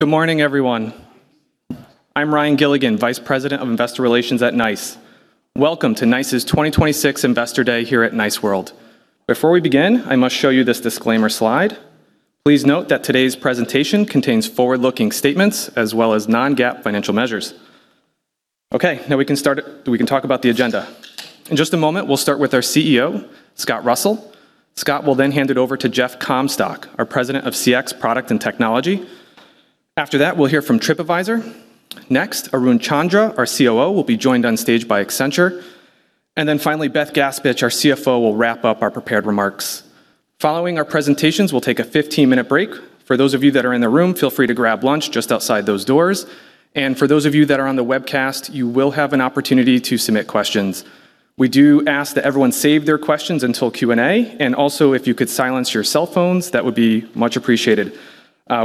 Good morning, everyone. I'm Ryan Gilligan, Vice President of Investor Relations at NICE. Welcome to NICE's 2026 Investor Day here at NICE World. Before we begin, I must show you this disclaimer slide. Please note that today's presentation contains forward-looking statements as well as non-GAAP financial measures. Okay, now we can talk about the agenda. In just a moment, we'll start with our CEO, Scott Russell. Scott will hand it over to Jeff Comstock, our President of CX Product and Technology. After that, we'll hear from TripAdvisor. Arun Chandra, our COO, will be joined on stage by Accenture. Finally, Beth Gaspich, our CFO, will wrap up our prepared remarks. Following our presentations, we'll take a 15-minute break. For those of you that are in the room, feel free to grab lunch just outside those doors. For those of you that are on the webcast, you will have an opportunity to submit questions. We do ask that everyone save their questions until Q&A. Also, if you could silence your cell phones, that would be much appreciated.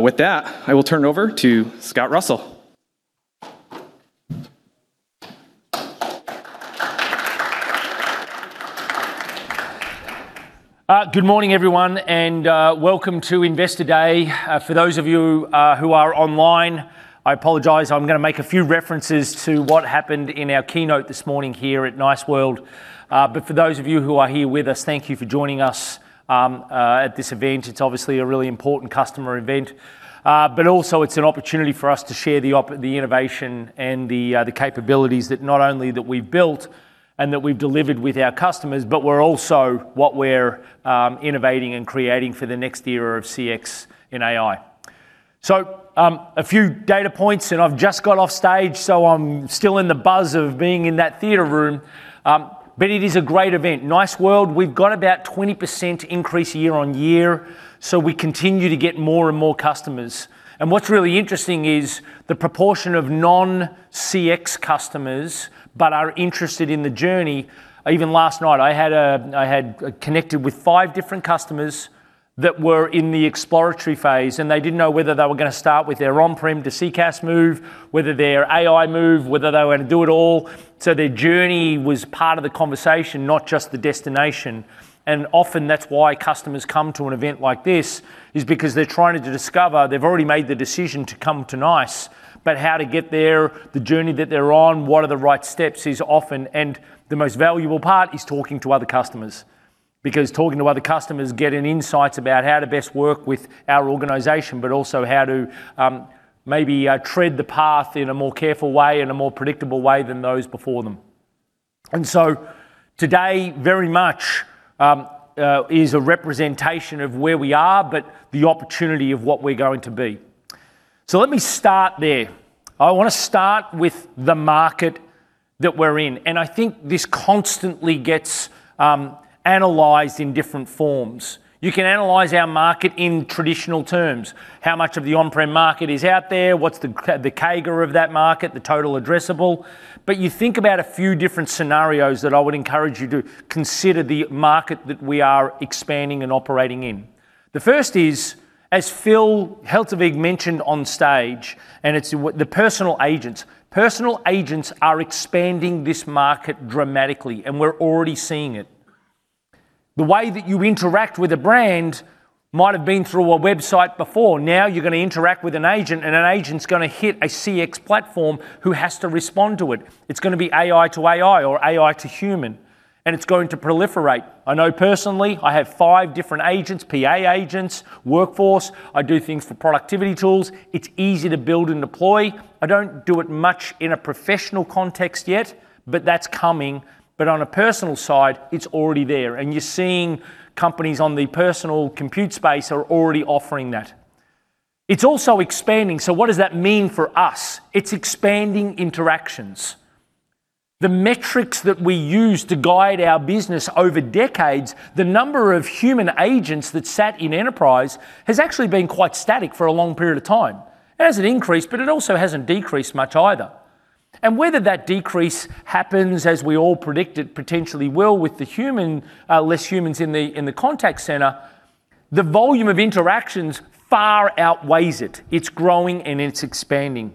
With that, I will turn it over to Scott Russell. Good morning, everyone, and welcome to Investor Day. For those of you who are online, I apologize, I'm going to make a few references to what happened in our keynote this morning here at NICE World. For those of you who are here with us, thank you for joining us at this event. It's obviously a really important customer event. Also, it's an opportunity for us to share the innovation and the capabilities that not only that we've built and that we've delivered with our customers, but we're also what we're innovating and creating for the next era of CX in AI. A few data points, and I've just got off stage, so I'm still in the buzz of being in that theater room. It is a great event. NICE World, we've got about 20% increase year-over-year, we continue to get more and more customers. What's really interesting is the proportion of non-CX customers, but are interested in the journey. Even last night, I had connected with five different customers that were in the exploratory phase, and they didn't know whether they were going to start with their on-prem to CCaaS move, whether their AI move, whether they were going to do it all. Their journey was part of the conversation, not just the destination. Often that's why customers come to an event like this is because they're trying to discover. They've already made the decision to come to NICE, but how to get there, the journey that they're on, what are the right steps is often, and the most valuable part is talking to other customers. Talking to other customers, getting insights about how to best work with our organization, but also how to maybe tread the path in a more careful way and a more predictable way than those before them. Today very much is a representation of where we are, but the opportunity of what we're going to be. Let me start there. I want to start with the market that we're in, I think this constantly gets analyzed in different forms. You can analyze our market in traditional terms. How much of the on-prem market is out there? What's the CAGR of that market? The total addressable? You think about a few different scenarios that I would encourage you to consider the market that we are expanding and operating in. The first is, as Phil Heltewig mentioned on stage and it's the personal agents. Personal agents are expanding this market dramatically, we're already seeing it. The way that you interact with a brand might have been through a website before. Now you're going to interact with an agent, an agent's going to hit a CX platform who has to respond to it. It's going to be AI to AI or AI to human, it's going to proliferate. I know personally, I have five different agents, PA agents, workforce. I do things for productivity tools. It's easy to build and deploy. I don't do it much in a professional context yet, but that's coming. On a personal side, it's already there. You're seeing companies on the personal compute space are already offering that. It's also expanding. What does that mean for us? It's expanding interactions. The metrics that we use to guide our business over decades, the number of human agents that sat in enterprise has actually been quite static for a long period of time. It hasn't increased, it also hasn't decreased much either. Whether that decrease happens as we all predict it potentially will with the less humans in the contact center, the volume of interactions far outweighs it. It's growing and it's expanding.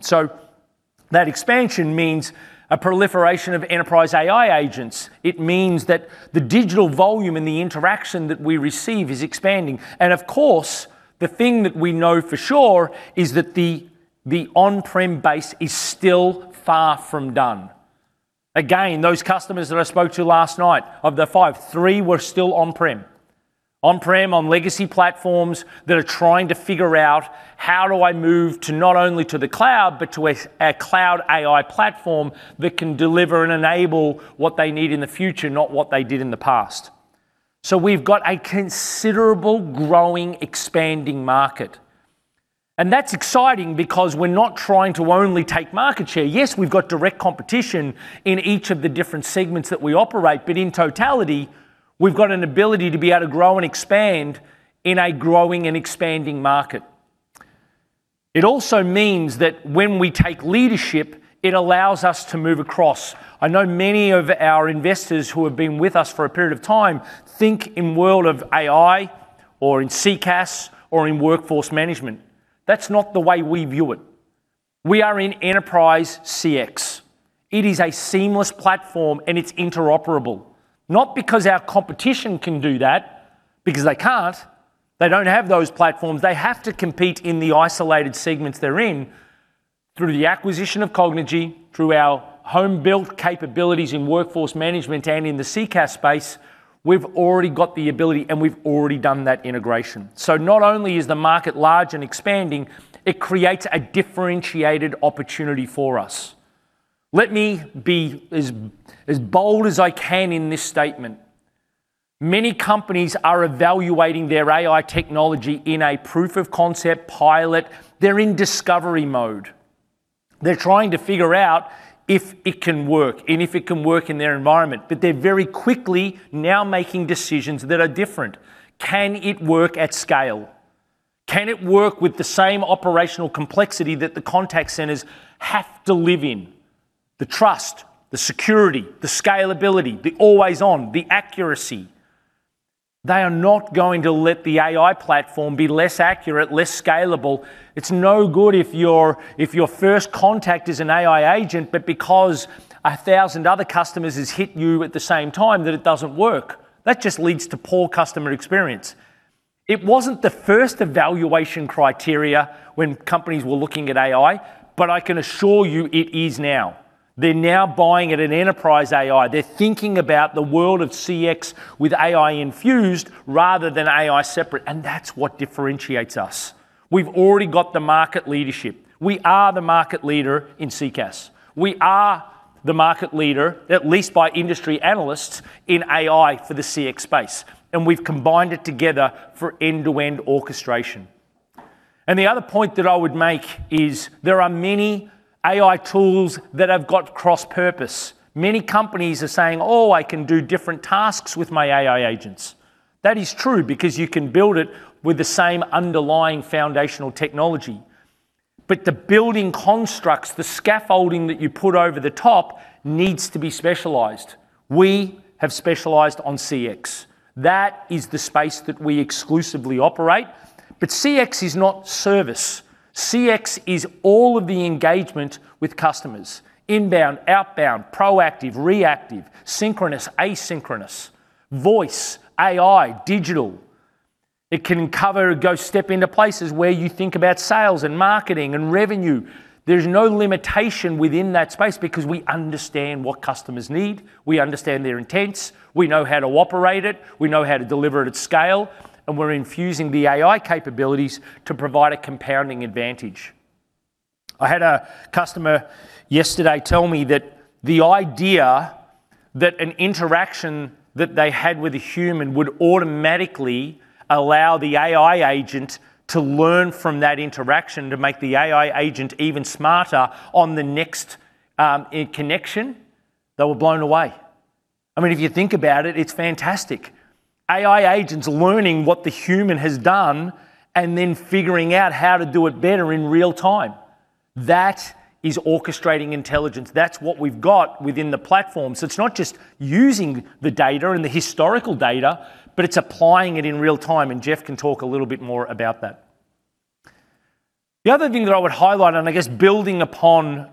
That expansion means a proliferation of enterprise AI agents. It means that the digital volume and the interaction that we receive is expanding. Of course, the thing that we know for sure is that the on-prem base is still far from done. Again, those customers that I spoke to last night, of the five, three were still on-prem. On-prem on legacy platforms that are trying to figure out how do I move to not only to the cloud, but to a cloud AI platform that can deliver and enable what they need in the future, not what they did in the past. We've got a considerable growing, expanding market, that's exciting because we're not trying to only take market share. Yes, we've got direct competition in each of the different segments that we operate, in totality, we've got an ability to be able to grow and expand in a growing and expanding market. It also means that when we take leadership, it allows us to move across. I know many of our investors who have been with us for a period of time think in world of AI or in CCaaS or in workforce management. That's not the way we view it. We are in enterprise CX. It is a seamless platform and it's interoperable. Not because our competition can do that, because they can't. They don't have those platforms. They have to compete in the isolated segments they're in. Through the acquisition of Cognigy, through our home-built capabilities in workforce management and in the CCaaS space, we've already got the ability, and we've already done that integration. Not only is the market large and expanding, it creates a differentiated opportunity for us. Let me be as bold as I can in this statement. Many companies are evaluating their AI technology in a proof of concept pilot. They're in discovery mode. They're trying to figure out if it can work and if it can work in their environment. They're very quickly now making decisions that are different. Can it work at scale? Can it work with the same operational complexity that the contact centers have to live in? The trust, the security, the scalability, the always-on, the accuracy. They are not going to let the AI platform be less accurate, less scalable. It's no good if your first contact is an AI agent, but because 1,000 other customers has hit you at the same time that it doesn't work. That just leads to poor customer experience. It wasn't the first evaluation criteria when companies were looking at AI, but I can assure you it is now. They're now buying at an enterprise AI. They're thinking about the world of CX with AI infused rather than AI separate, and that's what differentiates us. We've already got the market leadership. We are the market leader in CCaaS. We are the market leader, at least by industry analysts, in AI for the CX space. We've combined it together for end-to-end orchestration. The other point that I would make is there are many AI tools that have got cross-purpose. Many companies are saying, "Oh, I can do different tasks with my AI agents." That is true because you can build it with the same underlying foundational technology. The building constructs, the scaffolding that you put over the top needs to be specialized. We have specialized on CX. That is the space that we exclusively operate. CX is not service. CX is all of the engagement with customers, inbound, outbound, proactive, reactive, synchronous, asynchronous, voice, AI, digital. It can cover, go step into places where you think about sales and marketing and revenue. There's no limitation within that space because we understand what customers need, we understand their intents, we know how to operate it, we know how to deliver it at scale, and we're infusing the AI capabilities to provide a compounding advantage. I had a customer yesterday tell me that the idea that an interaction that they had with a human would automatically allow the AI agent to learn from that interaction to make the AI agent even smarter on the next connection, they were blown away. If you think about it's fantastic. AI agents learning what the human has done and then figuring out how to do it better in real-time. That is orchestrating intelligence. That's what we've got within the platform. It's not just using the data and the historical data, but it's applying it in real-time, and Jeff can talk a little bit more about that. The other thing that I would highlight, building upon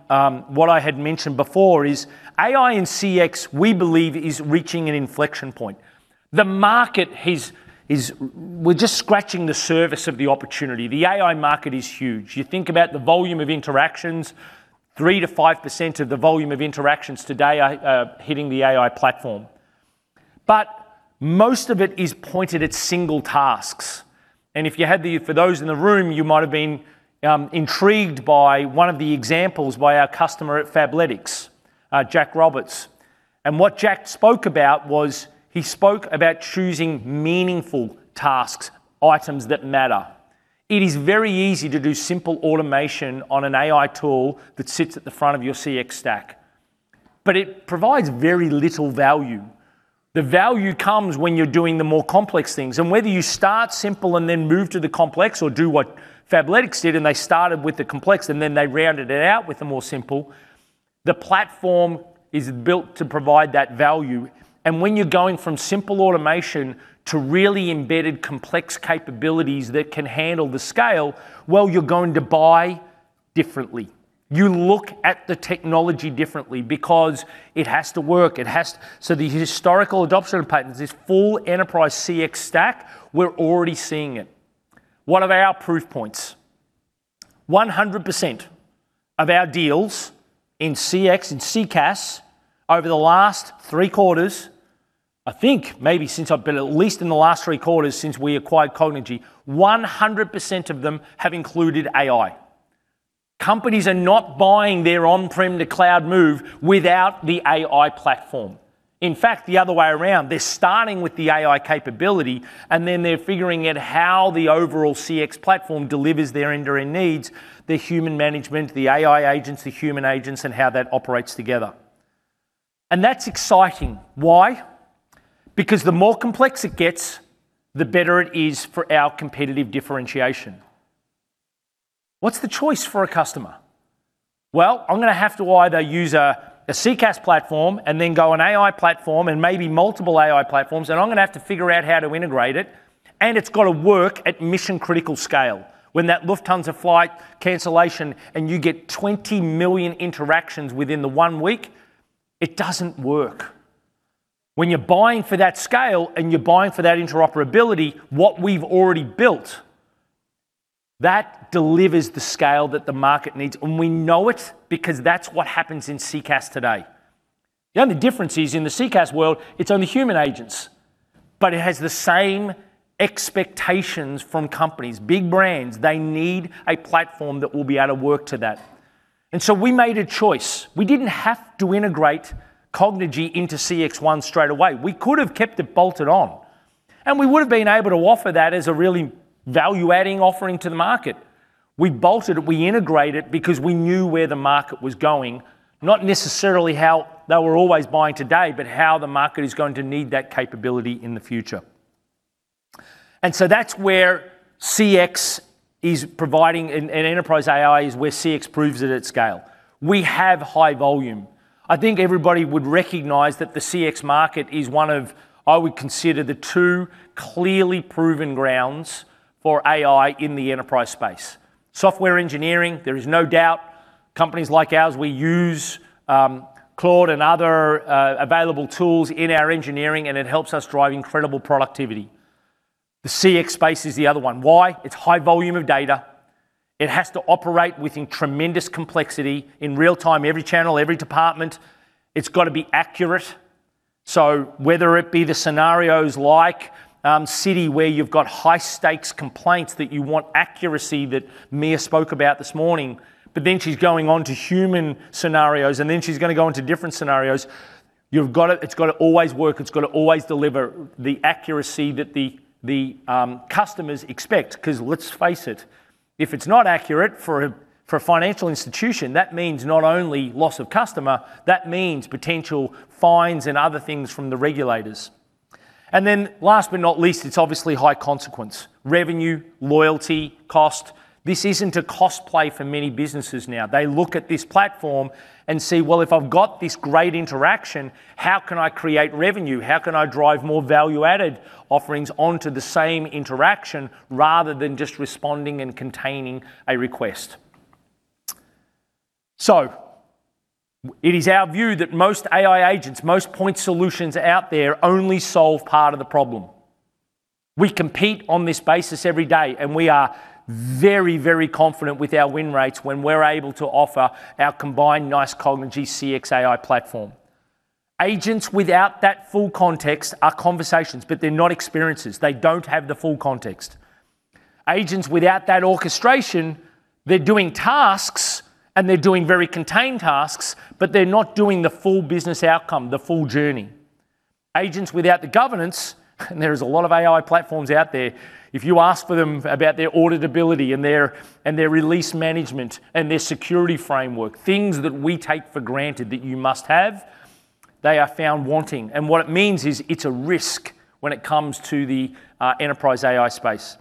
what I had mentioned before, is AI in CX, we believe, is reaching an inflection point. The market, we're just scratching the surface of the opportunity. The AI market is huge. You think about the volume of interactions, 3%-5% of the volume of interactions today are hitting the AI platform. Most of it is pointed at single tasks. If you had the, for those in the room, you might have been intrigued by one of the examples by our customer at Fabletics, Jack Roberts. What Jack spoke about was he spoke about choosing meaningful tasks, items that matter. It is very easy to do simple automation on an AI tool that sits at the front of your CX stack, but it provides very little value. The value comes when you're doing the more complex things. Whether you start simple then move to the complex or do what Fabletics did, then they started with the complex and then they rounded it out with the more simple, the platform is built to provide that value. When you're going from simple automation to really embedded complex capabilities that can handle the scale, you're going to buy differently. You look at the technology differently because it has to work. The historical adoption patterns, this full enterprise CX stack, we're already seeing it. One of our proof points, 100% of our deals in CX and CCaaS over the last three quarters, I think maybe since I've been, at least in the last three quarters since we acquired Cognigy, 100% of them have included AI. Companies are not buying their on-prem to cloud move without the AI platform. In fact, the other way around, they're starting with the AI capability, then they're figuring out how the overall CX platform delivers their end-to-end needs, their human management, the AI agents, the human agents, and how that operates together. That's exciting. Why? Because the more complex it gets, the better it is for our competitive differentiation. What's the choice for a customer? I'm going to have to either use a CCaaS platform then go an AI platform maybe multiple AI platforms, I'm going to have to figure out how to integrate it's got to work at mission-critical scale. When that Lufthansa flight cancellation, you get 20 million interactions within the one week, it doesn't work. When you're buying for that scale and you're buying for that interoperability, what we've already built, that delivers the scale that the market needs. We know it because that's what happens in CCaaS today. The only difference is in the CCaaS world, it's only human agents, it has the same expectations from companies. Big brands, they need a platform that will be able to work to that. We made a choice. We didn't have to integrate Cognigy into CXone straight away. We could have kept it bolted on, we would have been able to offer that as a really value-adding offering to the market. We bolted, we integrated because we knew where the market was going, not necessarily how they were always buying today, how the market is going to need that capability in the future. That's where CX is providing an enterprise AI, is where CX proves it at scale. We have high volume. I think everybody would recognize that the CX market is one of, I would consider, the two clearly proven grounds for AI in the enterprise space. Software engineering, there is no doubt, companies like ours, we use Claude and other available tools in our engineering, and it helps us drive incredible productivity. The CX space is the other one. Why? It's high volume of data. It has to operate within tremendous complexity in real-time, every channel, every department. It's got to be accurate. Whether it be the scenarios like Citi, where you've got high-stakes complaints that you want accuracy that Mia spoke about this morning, but then she's going on to human scenarios, and then she's going to go into different scenarios. It's got to always work. It's got to always deliver the accuracy that the customers expect, because let's face it, if it's not accurate for a financial institution, that means not only loss of customer, that means potential fines and other things from the regulators. Last but not least, it's obviously high consequence. Revenue, loyalty, cost. This isn't a cost play for many businesses now. They look at this platform and see, well, if I've got this great interaction, how can I create revenue? How can I drive more value-added offerings onto the same interaction rather than just responding and containing a request? It is our view that most AI agents, most point solutions out there only solve part of the problem. We compete on this basis every day, and we are very confident with our win rates when we're able to offer our combined NICE Cognigy CXAI platform. Agents without that full context are conversations, but they're not experiences. They don't have the full context. Agents without that orchestration, they're doing tasks and they're doing very contained tasks, but they're not doing the full business outcome, the full journey. Agents without the governance, there is a lot of AI platforms out there, if you ask for them about their auditability and their release management and their security framework, things that we take for granted that you must have, they are found wanting. What it means is it's a risk when it comes to the enterprise AI space.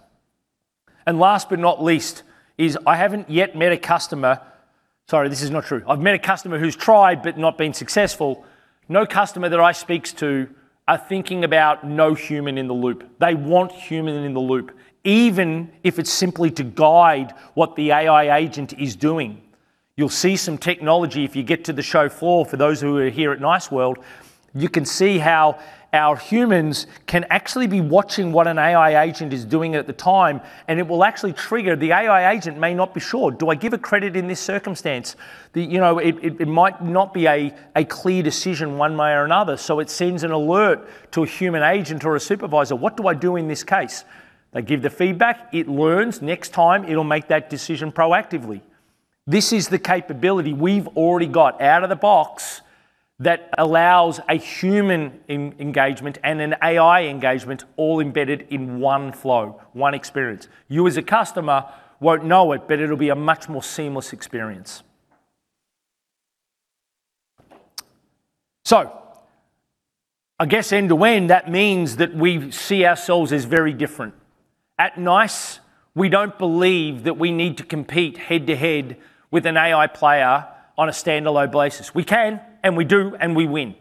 Last but not least is I haven't yet met a customer. Sorry, this is not true. I've met a customer who's tried but not been successful. No customer that I speak to are thinking about no human in the loop. They want human in the loop, even if it's simply to guide what the AI agent is doing. You'll see some technology if you get to the show floor for those who are here at NICE World, you can see how our humans can actually be watching what an AI agent is doing at the time, and it will actually trigger. The AI agent may not be sure. Do I give a credit in this circumstance? It might not be a clear decision one way or another. It sends an alert to a human agent or a supervisor. What do I do in this case? They give the feedback, it learns. Next time it'll make that decision proactively. This is the capability we've already got out of the box that allows a human engagement and an AI engagement all embedded in one flow, one experience. You as a customer won't know it, but it'll be a much more seamless experience. I guess end to end, that means that we see ourselves as very different. At NICE, we don't believe that we need to compete head to head with an AI player on a standalone basis. We can, and we do, and we win.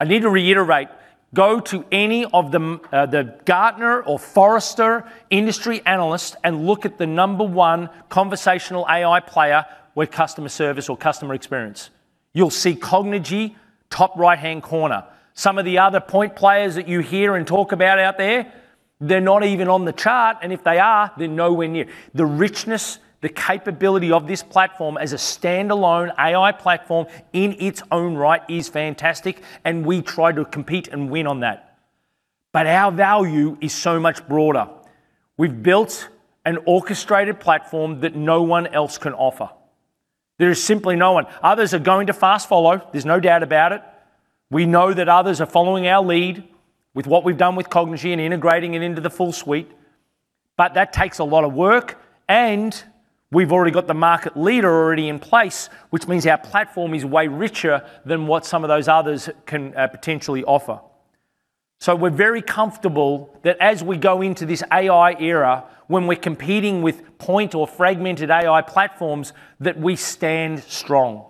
I need to reiterate, go to any of the Gartner or Forrester industry analysts and look at the number one conversational AI player with customer service or customer experience. You'll see Cognigy top right-hand corner. Some of the other point players that you hear and talk about out there, they're not even on the chart. If they are, they're nowhere near. The richness, the capability of this platform as a standalone AI platform in its own right is fantastic, and we try to compete and win on that. Our value is so much broader. We've built an orchestrated platform that no one else can offer. There is simply no one. Others are going to fast follow. There's no doubt about it. We know that others are following our lead with what we've done with Cognigy and integrating it into the full suite, but that takes a lot of work and we've already got the market leader already in place, which means our platform is way richer than what some of those others can potentially offer. We're very comfortable that as we go into this AI era, when we're competing with point or fragmented AI platforms, that we stand strong.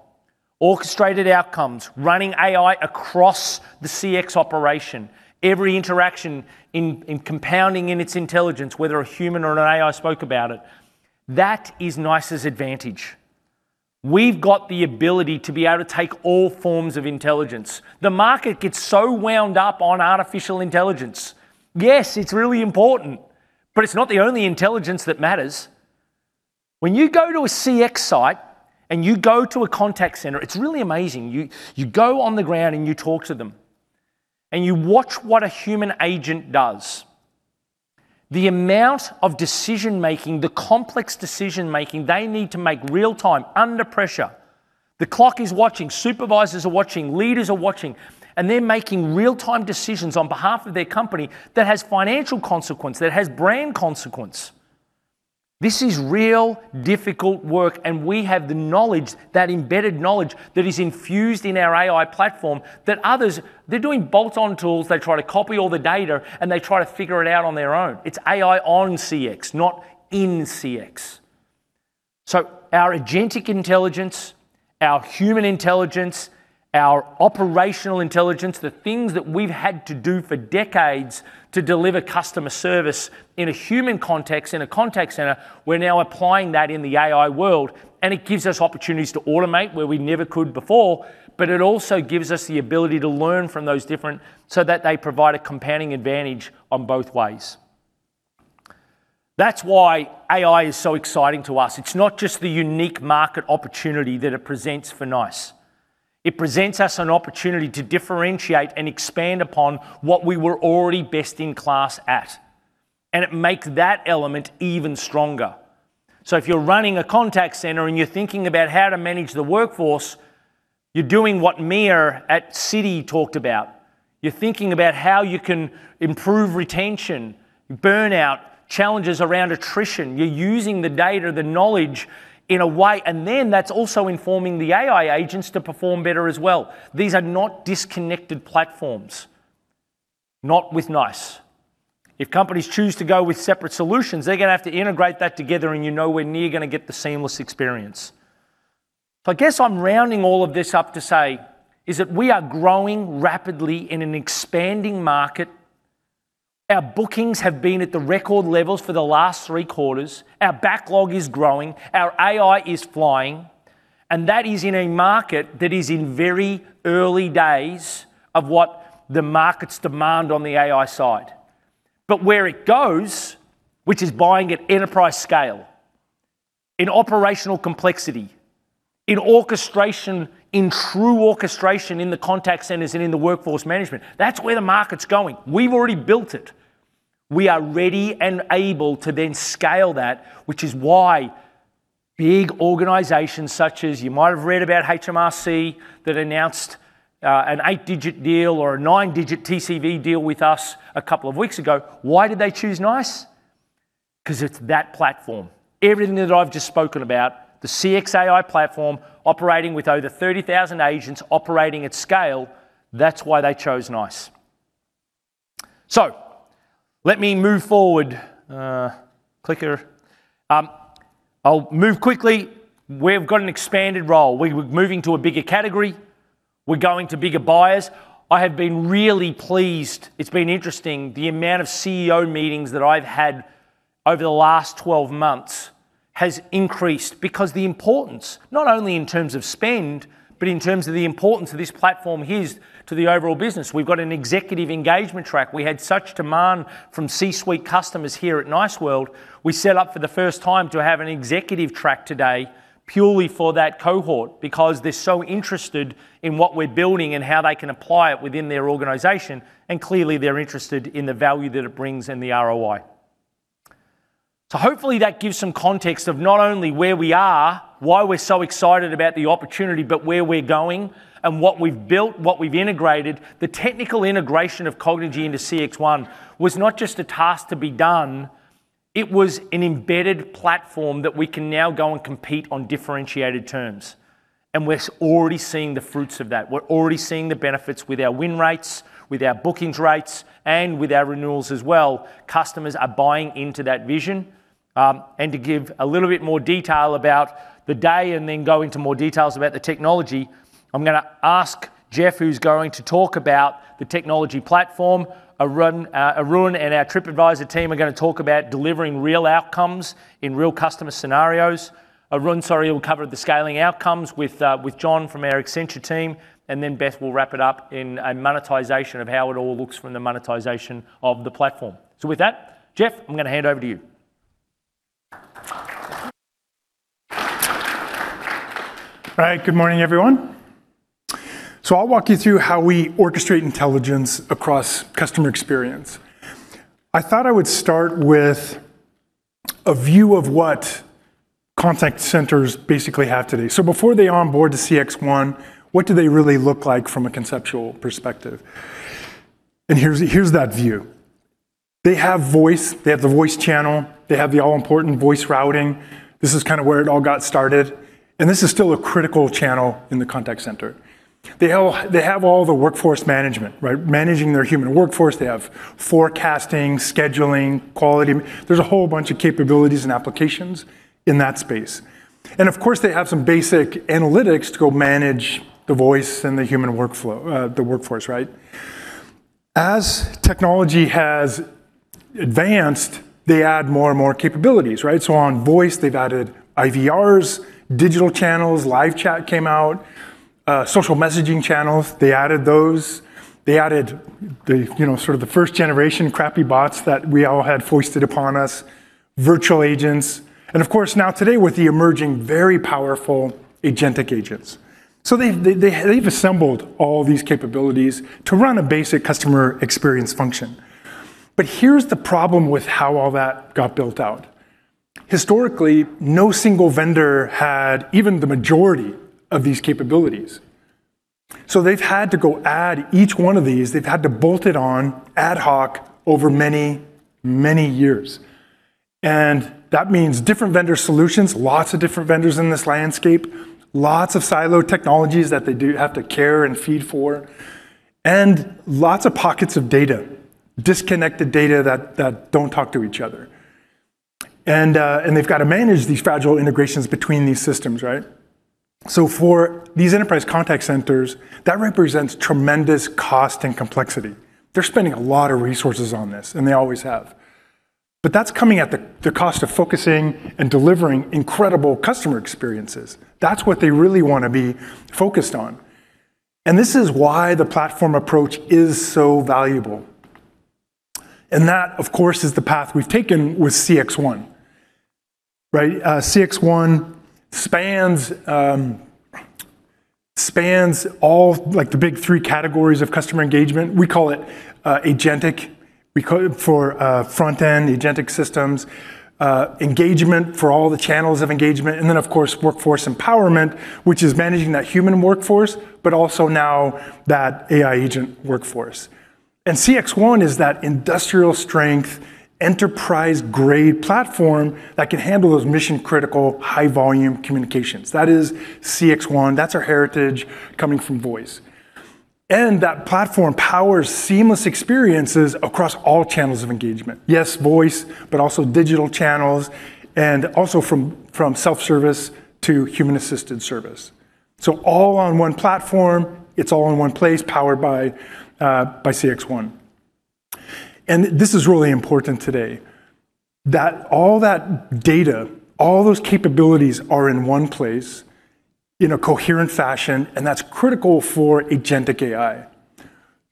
Orchestrated outcomes, running AI across the CX operation, every interaction in compounding in its intelligence, whether a human or an AI spoke about it. That is NICE's advantage. We've got the ability to be able to take all forms of intelligence. The market gets so wound up on Artificial Intelligence. Yes, it's really important, but it's not the only intelligence that matters. When you go to a CX site and you go to a contact center, it's really amazing. You go on the ground and you talk to them, and you watch what a human agent does. The amount of decision-making, the complex decision-making they need to make real-time under pressure. The clock is watching, supervisors are watching, leaders are watching, and they're making real-time decisions on behalf of their company that has financial consequence, that has brand consequence. This is real difficult work. We have the knowledge, that embedded knowledge that is infused in our AI platform that others, they're doing bolt-on tools, they try to copy all the data, they try to figure it out on their own. It's AI on CX, not in CX. Our agentic intelligence, our human intelligence, our operational intelligence, the things that we've had to do for decades to deliver customer service in a human context in a contact center, we're now applying that in the AI world, it gives us opportunities to automate where we never could before, it also gives us the ability to learn from those different, that they provide a compounding advantage on both ways. That's why AI is so exciting to us. It's not just the unique market opportunity that it presents for NICE. It presents us an opportunity to differentiate and expand upon what we were already best in class at, it makes that element even stronger. If you're running a contact center and you're thinking about how to manage the workforce, you're doing what Mia at Citi talked about. You're thinking about how you can improve retention, burnout, challenges around attrition. You're using the data, the knowledge in a way. That's also informing the AI agents to perform better as well. These are not disconnected platforms. Not with NICE. If companies choose to go with separate solutions, they're going to have to integrate that together and you're nowhere near going to get the seamless experience. I guess I'm rounding all of this up to say is that we are growing rapidly in an expanding market. Our bookings have been at the record levels for the last three quarters. Our backlog is growing. Our AI is flying. That is in a market that is in very early days of what the markets demand on the AI side. Where it goes, which is buying at enterprise scale, in operational complexity, in orchestration, in true orchestration in the contact centers and in the workforce management. That's where the market's going. We've already built it. We are ready and able to then scale that, which is why big organizations such as you might have read about HMRC that announced an eight-digit deal or a nine-digit TCV deal with us a couple of weeks ago. Why did they choose NICE? Because it's that platform. Everything that I've just spoken about, the CXAI platform operating with over 30,000 agents operating at scale, that's why they chose NICE. Let me move forward. Clicker. I'll move quickly. We've got an expanded role. We're moving to a bigger category. We're going to bigger buyers. I have been really pleased. It's been interesting the amount of CEO meetings that I've had over the last 12 months has increased because the importance, not only in terms of spend, but in terms of the importance of this platform is to the overall business. We've got an executive engagement track. We had such demand from C-suite customers here at NICE World. We set up for the first time to have an executive track today purely for that cohort because they're so interested in what we're building and how they can apply it within their organization, and clearly they're interested in the value that it brings and the ROI. Hopefully that gives some context of not only where we are, why we're so excited about the opportunity, but where we're going and what we've built, what we've integrated. The technical integration of Cognigy into CXone was not just a task to be done, it was an embedded platform that we can now go and compete on differentiated terms. We're already seeing the fruits of that. We're already seeing the benefits with our win rates, with our bookings rates, and with our renewals as well. Customers are buying into that vision. To give a little bit more detail about the day and then go into more details about the technology, I'm going to ask Jeff, who's going to talk about the technology platform. Arun and our TripAdvisor team are going to talk about delivering real outcomes in real customer scenarios. Arun will cover the scaling outcomes with Jon from our Accenture team. Then Beth will wrap it up in a monetization of how it all looks from the monetization of the platform. With that, Jeff, I'm going to hand over to you. All right. Good morning, everyone. I'll walk you through how we orchestrate intelligence across customer experience. I thought I would start with a view of what contact centers basically have today. Before they onboard to CXone, what do they really look like from a conceptual perspective? Here's that view. They have voice, they have the voice channel, they have the all-important voice routing. This is kind of where it all got started, and this is still a critical channel in the contact center. They have all the workforce management, right? Managing their human workforce. They have forecasting, scheduling, quality. There's a whole bunch of capabilities and applications in that space. Of course, they have some basic analytics to go manage the voice and the human workflow, the workforce, right? As technology has advanced, they add more and more capabilities, right? On voice, they've added IVRs, digital channels, live chat came out, social messaging channels, they added those. They added the first generation crappy bots that we all had foisted upon us, virtual agents, and of course now today, with the emerging, very powerful agentic agents. They've assembled all these capabilities to run a basic customer experience function. Here's the problem with how all that got built out. Historically, no single vendor had even the majority of these capabilities. They've had to go add each one of these, they've had to bolt it on ad hoc over many, many years. That means different vendor solutions, lots of different vendors in this landscape, lots of siloed technologies that they do have to care and feed for, and lots of pockets of data, disconnected data that don't talk to each other. They've got to manage these fragile integrations between these systems, right? For these enterprise contact centers, that represents tremendous cost and complexity. They're spending a lot of resources on this, and they always have. That's coming at the cost of focusing and delivering incredible customer experiences. That's what they really want to be focused on. This is why the platform approach is so valuable. That, of course, is the path we've taken with CXone, right? CXone spans all the big three categories of customer engagement. We call it agentic for front-end agentic systems, engagement for all the channels of engagement, and then of course, workforce empowerment, which is managing that human workforce, but also now that AI agent workforce. CXone is that industrial-strength, enterprise-grade platform that can handle those mission-critical, high-volume communications. That is CXone. That's our heritage coming from voice. That platform powers seamless experiences across all channels of engagement. Yes, voice, but also digital channels, and also from self-service to human-assisted service. All on one platform, it's all in one place, powered by CXone. This is really important today that all that data, all those capabilities are in one place in a coherent fashion, and that's critical for Agentic AI.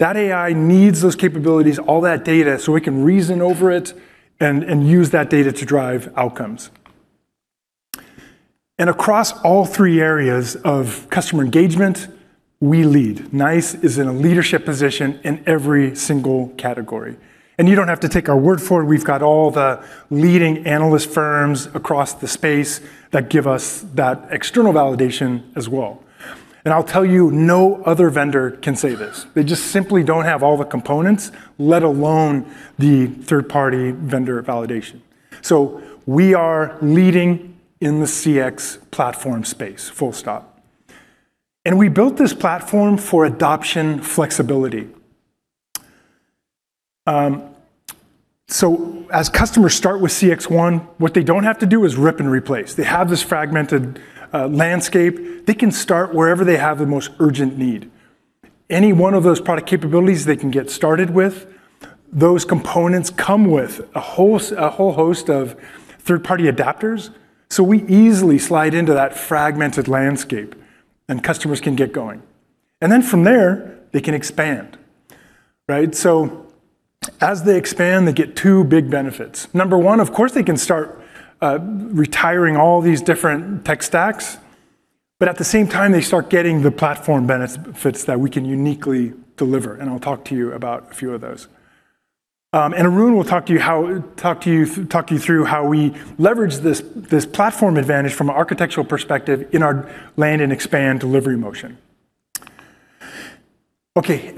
AI needs those capabilities, all that data, so it can reason over it and use that data to drive outcomes. Across all three areas of customer engagement, we lead. NICE is in a leadership position in every single category. You don't have to take our word for it, we've got all the leading analyst firms across the space that give us that external validation as well. I'll tell you, no other vendor can say this. They just simply don't have all the components, let alone the third-party vendor validation. We are leading in the CX platform space, full stop. We built this platform for adoption flexibility. As customers start with CXone, what they don't have to do is rip and replace. They have this fragmented landscape. They can start wherever they have the most urgent need. Any one of those product capabilities they can get started with, those components come with a whole host of third-party adapters. We easily slide into that fragmented landscape and customers can get going. Then from there, they can expand, right? As they expand, they get two big benefits. Number one, of course, they can start retiring all these different tech stacks, but at the same time, they start getting the platform benefits that we can uniquely deliver, and I'll talk to you about a few of those. Arun will talk to you through how we leverage this platform advantage from an architectural perspective in our land and expand delivery motion. Okay,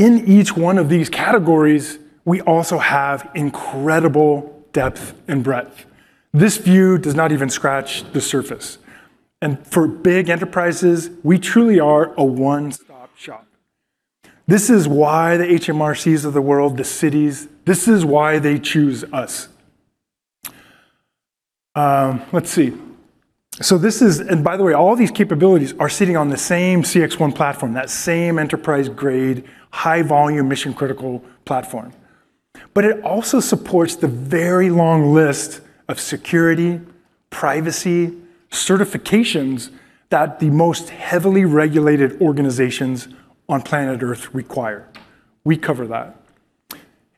in each one of these categories, we also have incredible depth and breadth. This view does not even scratch the surface. For big enterprises, we truly are a one-stop shop. This is why the HMRCs of the world, the Citis, this is why they choose us. Let's see. By the way, all these capabilities are sitting on the same CXone platform, that same enterprise-grade, high-volume, mission-critical platform. It also supports the very long list of security, privacy, certifications that the most heavily regulated organizations on planet Earth require. We cover that.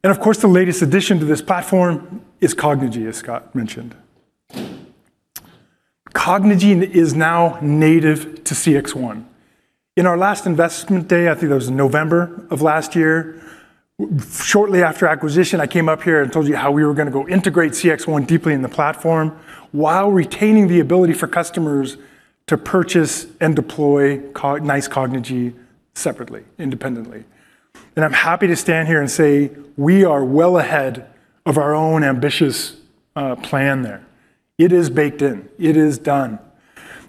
Of course, the latest addition to this platform is Cognigy, as Scott mentioned. Cognigy is now native to CXone. In our last investment day, I think that was in November of last year, shortly after acquisition, I came up here and told you how we were going to go integrate CXone deeply in the platform while retaining the ability for customers to purchase and deploy NICE Cognigy separately, independently. I'm happy to stand here and say we are well ahead of our own ambitious plan there. It is baked in. It is done.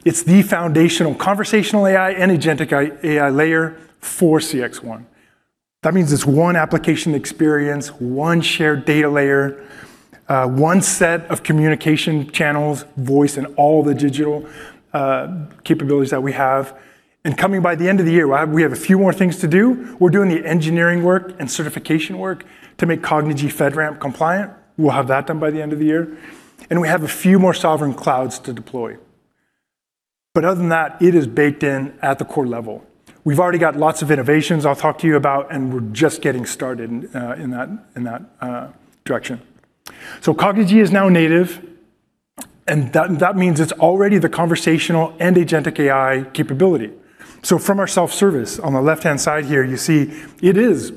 It's the foundational conversational AI and Agentic AI layer for CXone. That means it's one application experience, one shared data layer, one set of communication channels, voice, and all the digital capabilities that we have. Coming by the end of the year, we have a few more things to do. We're doing the engineering work and certification work to make Cognigy FedRAMP compliant. We'll have that done by the end of the year. We have a few more sovereign clouds to deploy. Other than that, it is baked in at the core level. We've already got lots of innovations I'll talk to you about, and we're just getting started in that direction. Cognigy is now native, and that means it's already the conversational and agentic AI capability. From our self-service on the left-hand side here, you see it is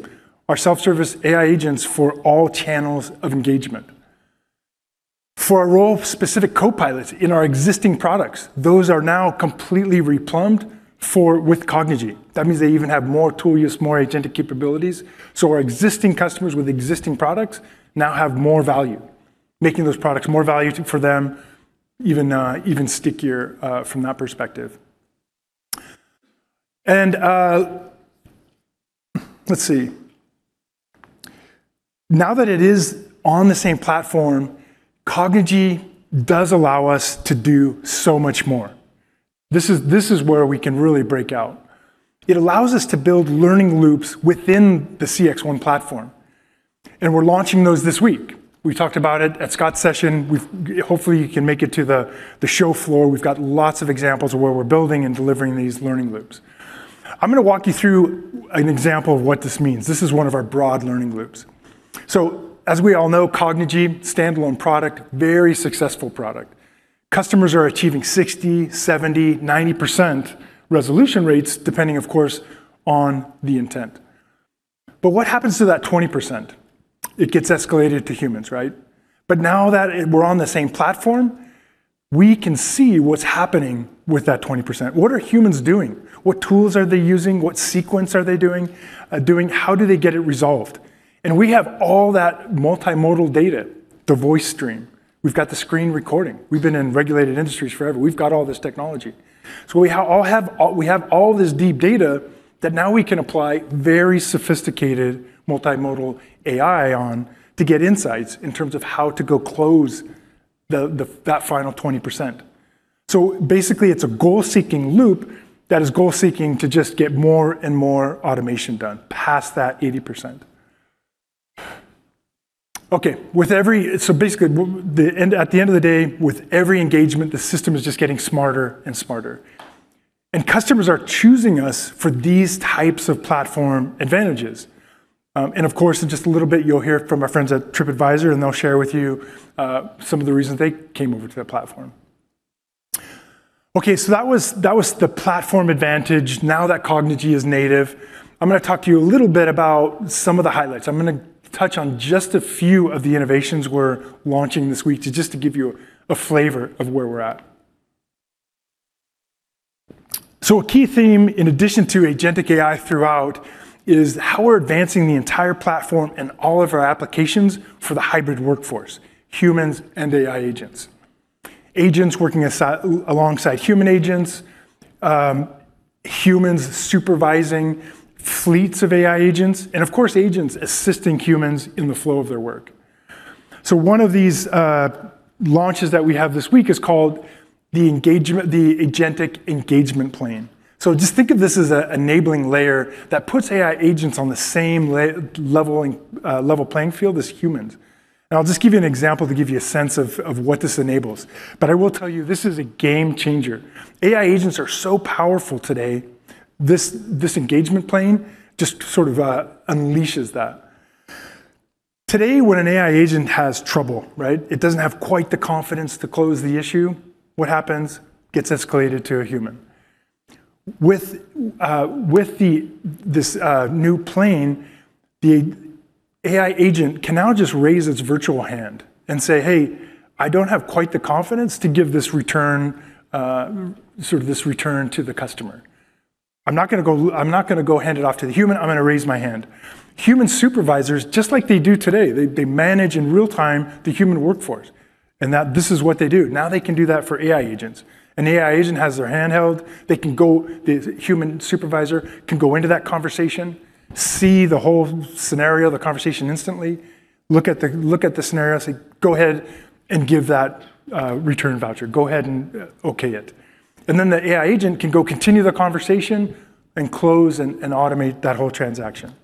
our self-service AI agents for all channels of engagement. For a role of specific copilots in our existing products, those are now completely replumbed with Cognigy. That means they even have more tool use, more agentic capabilities. Our existing customers with existing products now have more value, making those products more valuable for them, even stickier from that perspective. Let's see. Now that it is on the same platform, Cognigy does allow us to do so much more. This is where we can really break out. It allows us to build learning loops within the CXone platform, and we're launching those this week. We talked about it at Scott's session. Hopefully, you can make it to the show floor. We've got lots of examples of where we're building and delivering these learning loops. I'm going to walk you through an example of what this means. This is one of our broad learning loops. As we all know, Cognigy, standalone product, very successful product. Customers are achieving 60%, 70%, 90% resolution rates, depending of course, on the intent. What happens to that 20%? It gets escalated to humans, right? Now that we're on the same platform, we can see what's happening with that 20%. What are humans doing? What tools are they using? What sequence are they doing? How do they get it resolved? We have all that multimodal data, the voice stream. We've got the screen recording. We've been in regulated industries forever. We've got all this technology. We have all this deep data that now we can apply very sophisticated multimodal AI on to get insights in terms of how to go close that final 20%. Basically, it's a goal-seeking loop that is goal seeking to just get more and more automation done past that 80%. Okay. Basically, at the end of the day, with every engagement, the system is just getting smarter and smarter. Customers are choosing us for these types of platform advantages. Of course, in just a little bit, you'll hear from our friends at TripAdvisor and they'll share with you some of the reasons they came over to our platform. Okay, that was the platform advantage now that Cognigy is native. I'm going to talk to you a little bit about some of the highlights. I'm going to touch on just a few of the innovations we're launching this week just to give you a flavor of where we're at. A key theme, in addition to agentic AI throughout, is how we're advancing the entire platform and all of our applications for the hybrid workforce, humans and AI agents. Agents working alongside human agents, humans supervising fleets of AI agents, and of course, agents assisting humans in the flow of their work. One of these launches that we have this week is called the Agentic Engagement Plane. Just think of this as an enabling layer that puts AI agents on the same level playing field as humans. I will just give you an example to give you a sense of what this enables. I will tell you, this is a game changer. AI agents are so powerful today, this engagement plane just sort of unleashes that. Today, when an AI agent has trouble, it doesn't have quite the confidence to close the issue, what happens? It gets escalated to a human. With this new plane, the AI agent can now just raise its virtual hand and say, "Hey, I don't have quite the confidence to give this return to the customer. I'm not going to go hand it off to the human. I'm going to raise my hand." Human supervisors, just like they do today, they manage in real time the human workforce, and this is what they do. Now they can do that for AI agents. An AI agent has their hand held. The human supervisor can go into that conversation, see the whole scenario, the conversation instantly, look at the scenario, say, "Go ahead and give that return voucher. Go ahead and okay it." Then the AI agent can go continue the conversation and close and automate that whole transaction.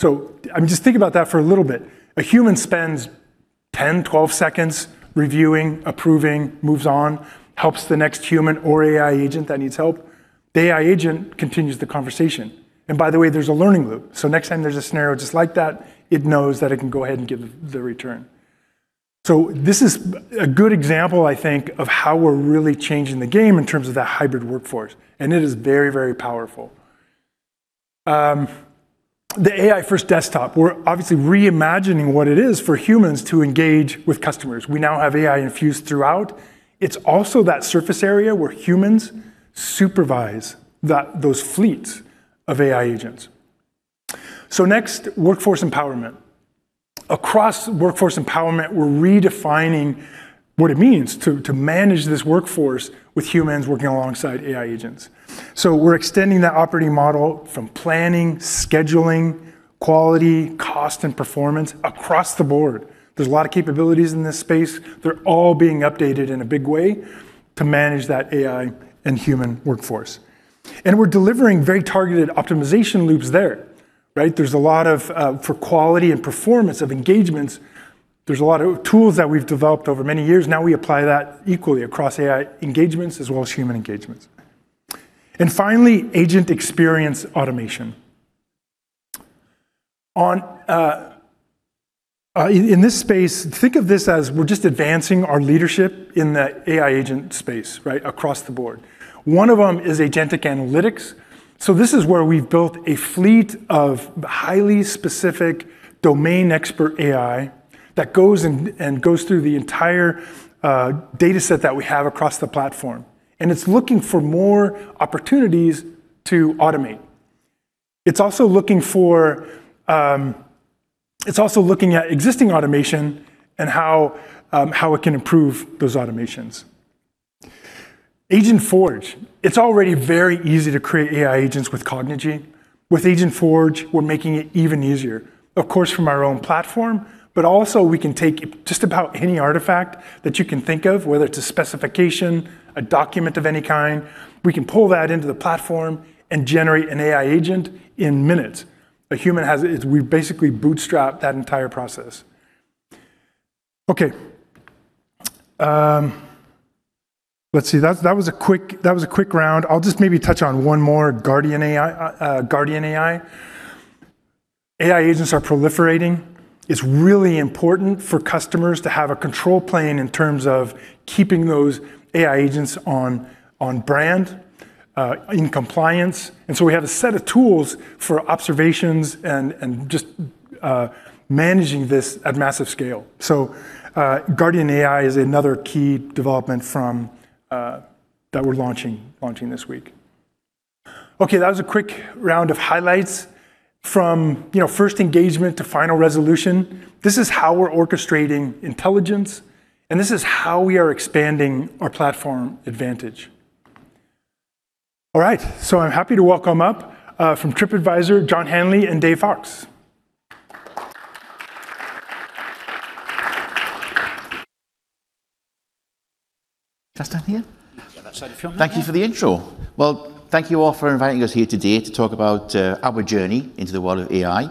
Just think about that for a little bit. A human spends 10, 12 seconds reviewing, approving, moves on, helps the next human or AI agent that needs help. The AI agent continues the conversation. By the way, there's a learning loop. Next time there's a scenario just like that, it knows that it can go ahead and give the return. This is a good example, I think, of how we're really changing the game in terms of that hybrid workforce, and it is very, very powerful. The AI-first desktop, we're obviously reimagining what it is for humans to engage with customers. We now have AI infused throughout. It's also that surface area where humans supervise those fleets of AI agents. Next, workforce empowerment. Across workforce empowerment, we're redefining what it means to manage this workforce with humans working alongside AI agents. We're extending that operating model from planning, scheduling, quality, cost, and performance across the board. There's a lot of capabilities in this space. They're all being updated in a big way to manage that AI and human workforce. We're delivering very targeted optimization loops there, right? For quality and performance of engagements, there's a lot of tools that we've developed over many years. Now we apply that equally across AI engagements as well as human engagements. Finally, agent experience automation. In this space, think of this as we're just advancing our leadership in the AI agent space, right, across the board. One of them is agentic analytics. This is where we've built a fleet of highly specific domain expert AI that goes through the entire data set that we have across the platform, and it's looking for more opportunities to automate. It's also looking at existing automation and how it can improve those automations. Agent Forge. It's already very easy to create AI agents with Cognigy. With Agent Forge, we're making it even easier, of course, from our own platform. We can take just about any artifact that you can think of, whether it's a specification, a document of any kind. We can pull that into the platform and generate an AI agent in minutes. We've basically bootstrapped that entire process. Okay. Let's see. That was a quick round. I'll just maybe touch on one more, Guardian AI. AI agents are proliferating. It's really important for customers to have a control plane in terms of keeping those AI agents on brand, in compliance. We have a set of tools for observations and just managing this at massive scale. Guardian AI is another key development that we're launching this week. Okay, that was a quick round of highlights from first engagement to final resolution. This is how we're orchestrating intelligence, and this is how we are expanding our platform advantage. All right, I'm happy to welcome up, from TripAdvisor, John Hanley and Dave Fox. Just down here? Thank you for the intro. Thank you all for inviting us here today to talk about our journey into the world of AI.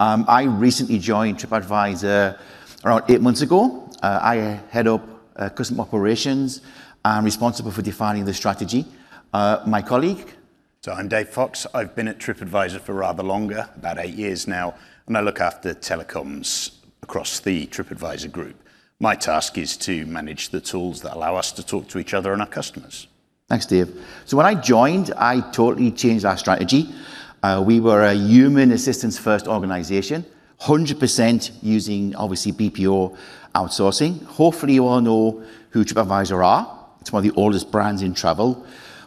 I recently joined TripAdvisor around eight months ago. I head up custom operations and responsible for defining the strategy. My colleague. I'm Dave Fox. I've been at TripAdvisor for rather longer, about eight years now, and I look after telecoms across the TripAdvisor group. My task is to manage the tools that allow us to talk to each other and our customers. Thanks, Dave. When I joined, I totally changed our strategy. We were a human assistance first organization, 100% using, obviously, BPO outsourcing. Hopefully, you all know who TripAdvisor are. It's one of the oldest brands in travel.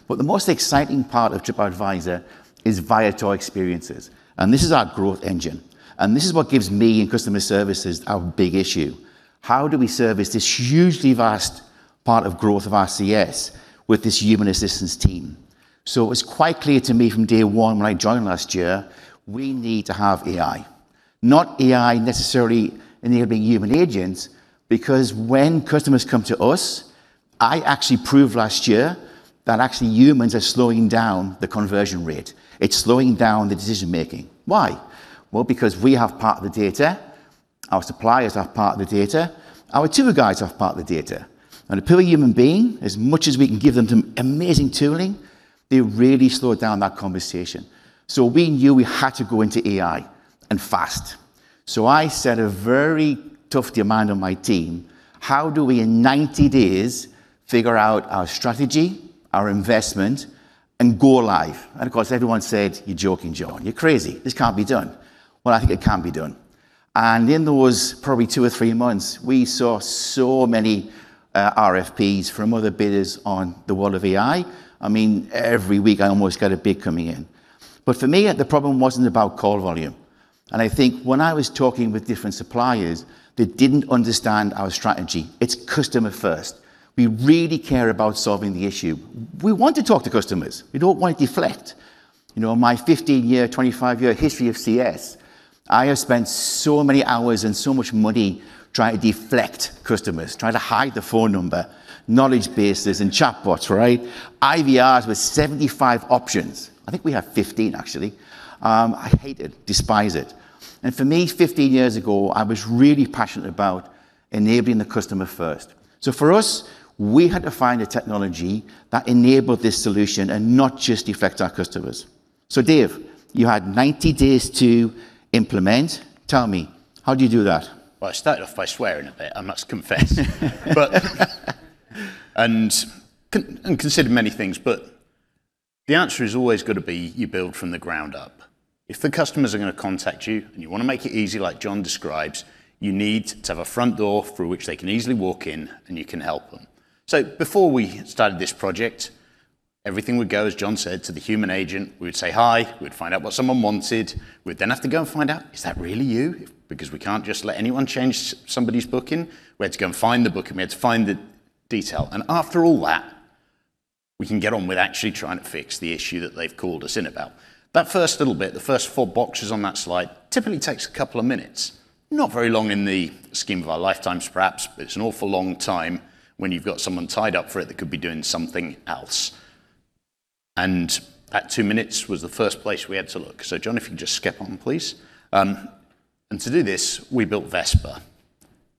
The most exciting part of TripAdvisor is Viator experiences. This is our growth engine. This is what gives me and customer services our big issue. How do we service this hugely vast part of growth of our CS with this human assistance team? It was quite clear to me from day one when I joined last year, we need to have AI. Not AI necessarily enabling human agents, because when customers come to us, I actually proved last year that actually humans are slowing down the conversion rate. It's slowing down the decision-making. Why? Because we have part of the data, our suppliers have part of the data, our tour guides have part of the data. A poor human being, as much as we can give them amazing tooling, they really slow down that conversation. We knew we had to go into AI, and fast. I set a very tough demand on my team. How do we in 90 days figure out our strategy, our investment, and go live? Of course, everyone said, "You're joking, John. You're crazy. This can't be done." I think it can be done. In those probably two or three months, we saw so many RFPs from other bidders on the world of AI. Every week I almost got a bid coming in. For me, the problem wasn't about call volume. I think when I was talking with different suppliers, they didn't understand our strategy. It's customer first. We really care about solving the issue. We want to talk to customers. We don't want to deflect. In my 15-year, 25-year history of CS, I have spent so many hours and so much money trying to deflect customers, trying to hide the phone number, knowledge bases, and chatbots, right? IVRs with 75 options. I think we have 15, actually. I hate it, despise it. For me, 15 years ago, I was really passionate about enabling the customer first. For us, we had to find a technology that enabled this solution and not just deflect our customers. Dave, you had 90 days to implement. Tell me, how do you do that? I started off by swearing a bit, I must confess. Consider many things, but the answer is always going to be you build from the ground up. If the customers are going to contact you and you want to make it easy like John describes, you need to have a front door through which they can easily walk in and you can help them. Before we started this project, everything would go, as John said, to the human agent. We would say hi. We'd find out what someone wanted. We'd then have to go and find out, is that really you? Because we can't just let anyone change somebody's booking. We had to go and find the booking. We had to find the detail. After all that, we can get on with actually trying to fix the issue that they've called us in about. That first little bit, the first four boxes on that slide, typically takes a couple of minutes. Not very long in the scheme of our lifetimes, perhaps, but it's an awful long time when you've got someone tied up for it that could be doing something else. That two minutes was the first place we had to look. John, if you can just skip on, please. To do this, we built Vesper.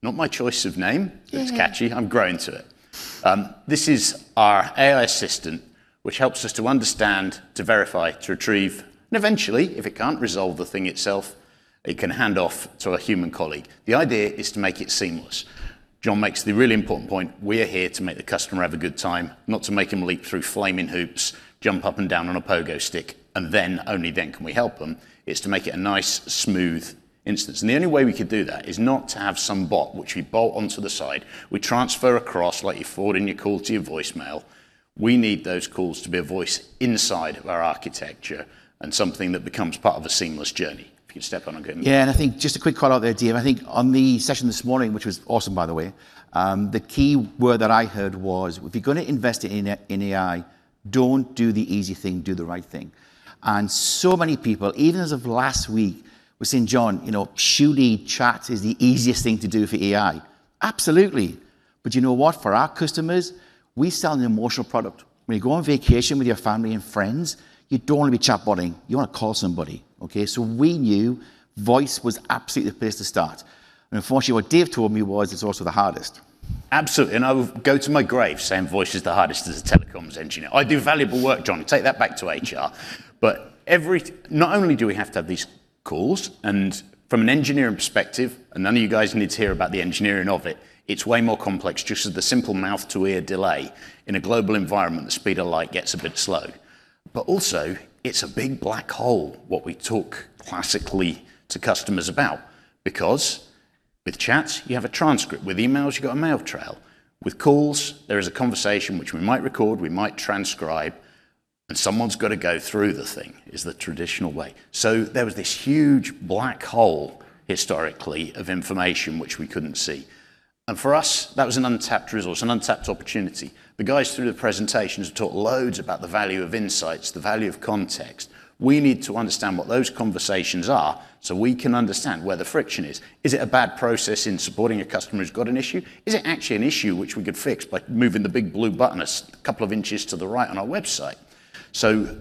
Not my choice of name. It's catchy. I'm growing to it. This is our AI assistant, which helps us to understand, to verify, to retrieve, and eventually, if it can't resolve the thing itself, it can hand off to a human colleague. The idea is to make it seamless. John makes the really important point, we are here to make the customer have a good time, not to make them leap through flaming hoops, jump up and down on a pogo stick, and then, only then can we help them. It's to make it a nice, smooth instance. The only way we could do that is not to have some bot which we bolt onto the side, we transfer across, like you forward in your call to your voicemail. We need those calls to be a voice inside of our architecture and something that becomes part of a seamless journey. If you'd step on again. Yeah, I think just a quick call out there, Dave, I think on the session this morning, which was awesome by the way, the key word that I heard was, if you're going to invest in AI, don't do the easy thing, do the right thing. So many people, even as of last week, were saying, John, chat is the easiest thing to do for AI. Absolutely. You know what? For our customers, we sell an emotional product. When you go on vacation with your family and friends, you don't want to be chat botting. You want to call somebody. Okay? We knew voice was absolutely the place to start. Unfortunately, what Dave told me was it's also the hardest. Absolutely, I will go to my grave saying voice is the hardest as a telecoms engineer. I do valuable work, John. Take that back to HR. Not only do we have to have these calls, and from an engineering perspective, and none of you guys need to hear about the engineering of it's way more complex just as the simple mouth to ear delay. In a global environment, the speed of light gets a bit slow. Also, it's a big black hole, what we talk classically to customers about. With chats, you have a transcript. With emails, you've got a mail trail. With calls, there is a conversation which we might record, we might transcribe, and someone's got to go through the thing, is the traditional way. There was this huge black hole historically of information which we couldn't see. For us, that was an untapped resource, an untapped opportunity. The guys through the presentations have talked loads about the value of insights, the value of context. We need to understand what those conversations are so we can understand where the friction is. Is it a bad process in supporting a customer who's got an issue? Is it actually an issue which we could fix by moving the big blue button a couple of inches to the right on our website?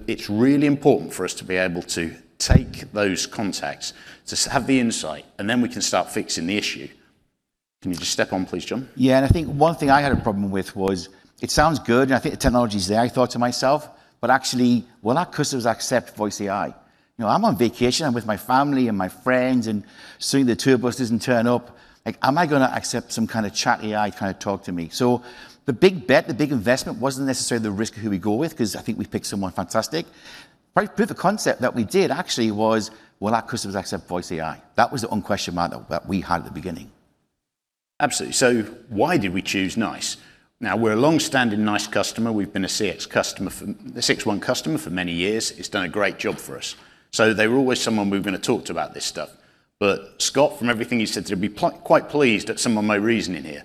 It's really important for us to be able to take those contacts, to have the insight, and then we can start fixing the issue. Can you just step on please, John? Yeah, I think one thing I had a problem with was, it sounds good, I think the technology's there, I thought to myself, actually, will our customers accept voice AI? I'm on vacation. I'm with my family and my friends and seeing the tour buses and turn up. Am I going to accept some kind of chat AI kind of talk to me? The big bet, the big investment wasn't necessarily the risk of who we go with, I think we've picked someone fantastic. Probably proof of concept that we did actually was, will our customers accept voice AI? That was the unquestionable that we had at the beginning. Absolutely. Why did we choose NICE? We're a long-standing NICE customer. We've been a CX customer, a CXone customer for many years. It's done a great job for us. They were always someone we were going to talk to about this stuff. Scott, from everything you said, you'd be quite pleased at some of my reasoning here.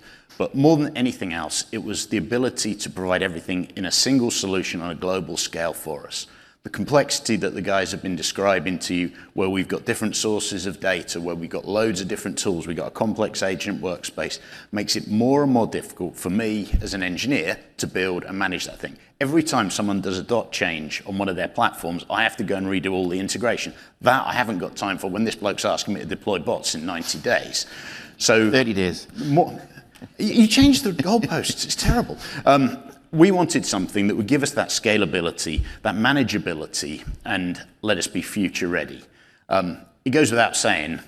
More than anything else, it was the ability to provide everything in a single solution on a global scale for us. The complexity that the guys have been describing to you, where we've got different sources of data, where we've got loads of different tools, we've got a complex agent workspace, makes it more and more difficult for me as an engineer to build and manage that thing. Every time someone does a dot change on one of their platforms, I have to go and redo all the integration. That I haven't got time for when this bloke's asking me to deploy bots in 90 days. 30 days. More. You changed the goalposts. It's terrible. We wanted something that would give us that scalability, that manageability, and let us be future ready. It goes without saying,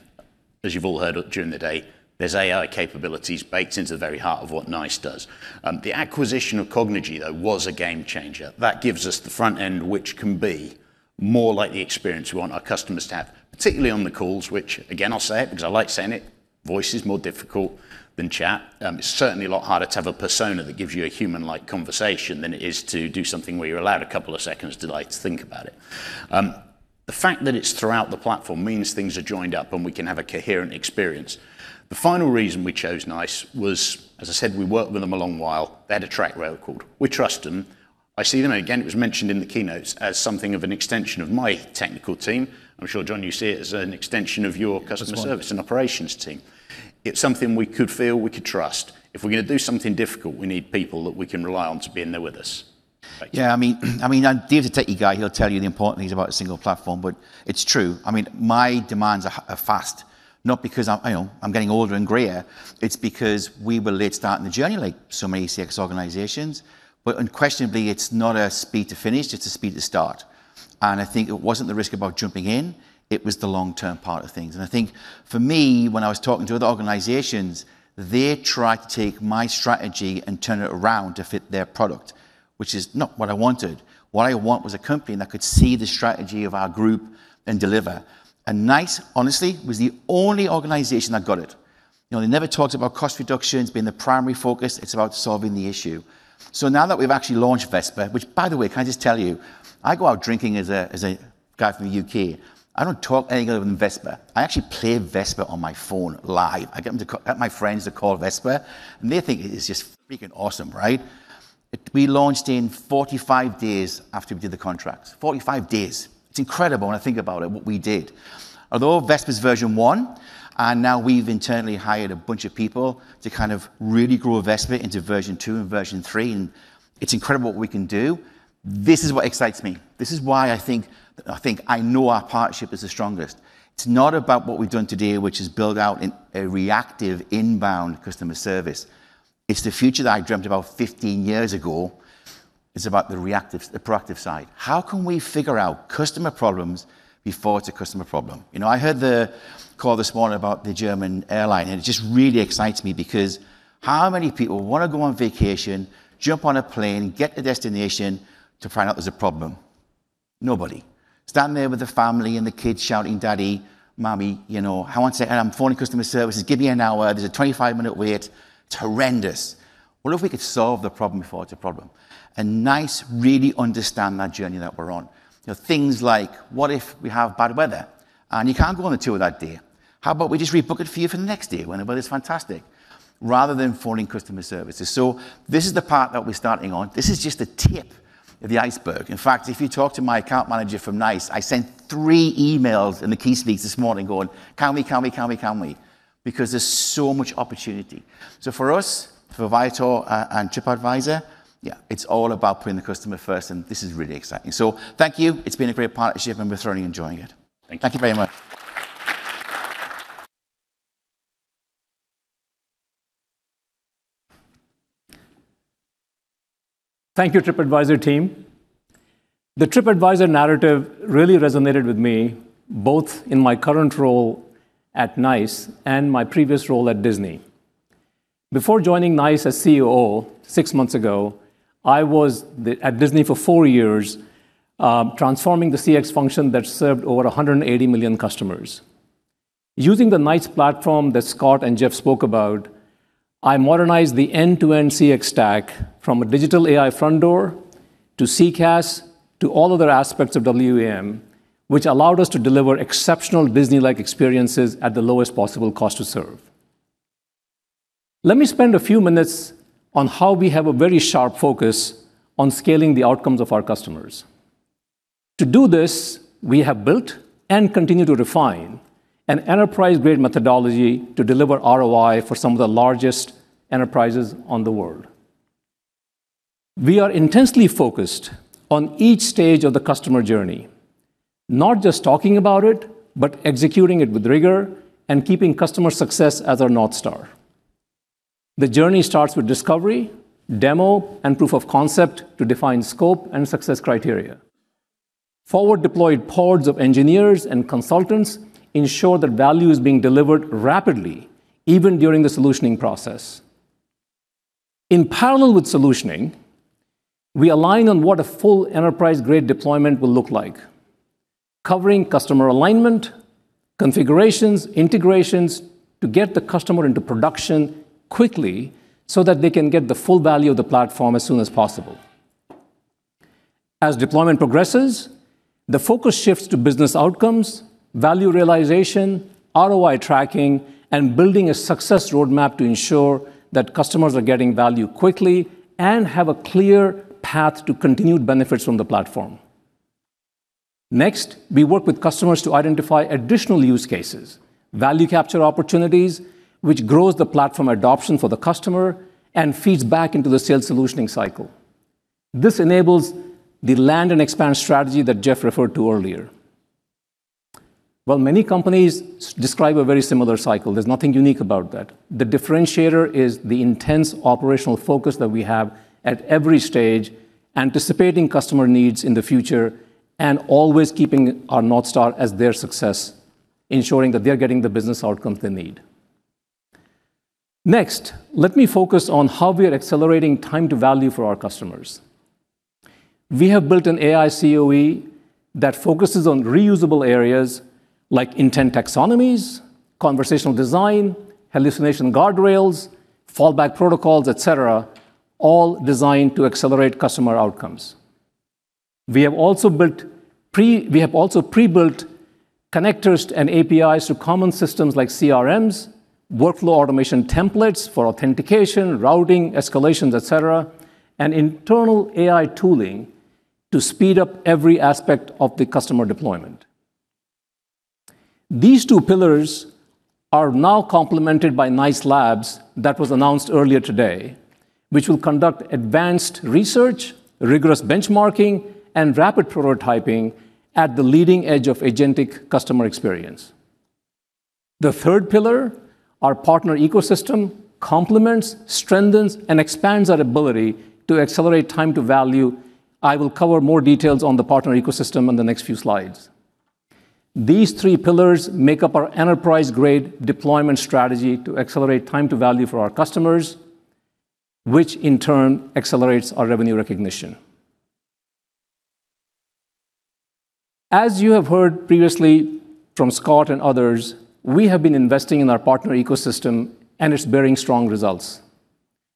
as you've all heard during the day, there's AI capabilities baked into the very heart of what NICE does. The acquisition of Cognigy, though, was a game changer. That gives us the front end, which can be more like the experience we want our customers to have, particularly on the calls, which again, I'll say it because I like saying it, voice is more difficult than chat. It's certainly a lot harder to have a persona that gives you a human-like conversation than it is to do something where you're allowed a couple of seconds delay to think about it. The fact that it's throughout the platform means things are joined up, and we can have a coherent experience. The final reason we chose NICE was, as I said, we worked with them a long while. They had a track record. We trust them. I see them, again, it was mentioned in the keynotes, as something of an extension of my technical team. I'm sure, John, you see it as an extension of your customer- That's right Service and operations team. It's something we could feel we could trust. If we're going to do something difficult, we need people that we can rely on to be in there with us. Thank you. Yeah, Dave's a techy guy. He'll tell you the important things about a single platform, but it's true. My demands are fast, not because I'm getting older and grayer. It's because we were late starting the journey like so many CX organizations. Unquestionably, it's not a speed to finish, it's a speed to start. I think it wasn't the risk about jumping in, it was the long-term part of things. I think for me, when I was talking to other organizations, they tried to take my strategy and turn it around to fit their product, which is not what I wanted. What I want was a company that could see the strategy of our group and deliver. NICE, honestly, was the only organization that got it. He never talks about cost reductions being the primary focus. It's about solving the issue. Now that we've actually launched Vesper, which by the way, can I just tell you, I go out drinking as a guy from the U.K., I don't talk anything other than Vesper. I actually play Vesper on my phone live. I get my friends to call Vesper, and they think it is just freaking awesome, right? We launched in 45 days after we did the contract. 45 days. It's incredible when I think about it, what we did. Vesper is version one, and now we've internally hired a bunch of people to kind of really grow Vesper into version two and version three, and it's incredible what we can do. This is what excites me. This is why I think I know our partnership is the strongest. It's not about what we've done today, which is build out a reactive inbound customer service. It's the future that I dreamt about 15 years ago. It's about the proactive side. How can we figure customer problems before it's a customer problem? I heard the call this morning about the German airline, and it just really excites me because how many people want to go on vacation, jump on a plane, get to the destination to find out there's a problem? Nobody. Standing there with the family and the kids shouting, "Daddy, Mommy, how long until?" I am phoning customer services, give me an hour. There's a 25-minute wait. It's horrendous. What if we could solve the problem before it's a problem? NICE really understand that journey that we're on. Things like, what if we have bad weather and you can't go on the tour that day? How about we just rebook it for you for the next day when the weather's fantastic, rather than phoning customer services? This is the part that we're starting on. This is just the tip of the iceberg. In fact, if you talk to my account manager from NICE, I sent three emails in the key sleeps this morning going, "Can we, can we, can we, can we?" There's so much opportunity. For us, for Viator and TripAdvisor, yeah, it's all about putting the customer first, and this is really exciting. Thank you. It's been a great partnership and we're thoroughly enjoying it. Thank you. Thank you very much. Thank you, TripAdvisor team. The TripAdvisor narrative really resonated with me, both in my current role at NICE and my previous role at Disney. Before joining NICE as COO six months ago, I was at Disney for four years, transforming the CX function that served over 180 million customers. Using the NICE platform that Scott and Jeff spoke about, I modernized the end-to-end CX stack from a digital AI front door to CCaaS to all other aspects of WFM, which allowed us to deliver exceptional Disney-like experiences at the lowest possible cost to serve. Let me spend a few minutes on how we have a very sharp focus on scaling the outcomes of our customers. To do this, we have built and continue to refine an enterprise-grade methodology to deliver ROI for some of the largest enterprises on the world. We are intensely focused on each stage of the customer journey, not just talking about it, but executing it with rigor and keeping customer success as our North Star. The journey starts with discovery, demo, and proof of concept to define scope and success criteria. Forward-deployed pods of engineers and consultants ensure that value is being delivered rapidly, even during the solutioning process. In parallel with solutioning, we align on what a full enterprise-grade deployment will look like, covering customer alignment, configurations, integrations to get the customer into production quickly so that they can get the full value of the platform as soon as possible. As deployment progresses, the focus shifts to business outcomes, value realization, ROI tracking, and building a success roadmap to ensure that customers are getting value quickly and have a clear path to continued benefits from the platform. Next, we work with customers to identify additional use cases, value capture opportunities, which grows the platform adoption for the customer and feeds back into the sales solutioning cycle. This enables the land and expand strategy that Jeff referred to earlier. While many companies describe a very similar cycle, there's nothing unique about that. The differentiator is the intense operational focus that we have at every stage, anticipating customer needs in the future, and always keeping our North Star as their success, ensuring that they're getting the business outcomes they need. Next, let me focus on how we are accelerating time to value for our customers. We have built an AI COE that focuses on reusable areas like intent taxonomies, conversational design, hallucination guardrails, fallback protocols, et cetera, all designed to accelerate customer outcomes. We have also pre-built connectors and APIs to common systems like CRMs, workflow automation templates for authentication, routing, escalations, et cetera, and internal AI tooling to speed up every aspect of the customer deployment. These two pillars are now complemented by NICE Labs, that was announced earlier today, which will conduct advanced research, rigorous benchmarking, and rapid prototyping at the leading edge of agentic customer experience. The third pillar, our partner ecosystem, complements, strengthens, and expands our ability to accelerate time to value. I will cover more details on the partner ecosystem in the next few slides. These three pillars make up our enterprise-grade deployment strategy to accelerate time to value for our customers, which in turn accelerates our revenue recognition. As you have heard previously from Scott and others, we have been investing in our partner ecosystem and it's bearing strong results.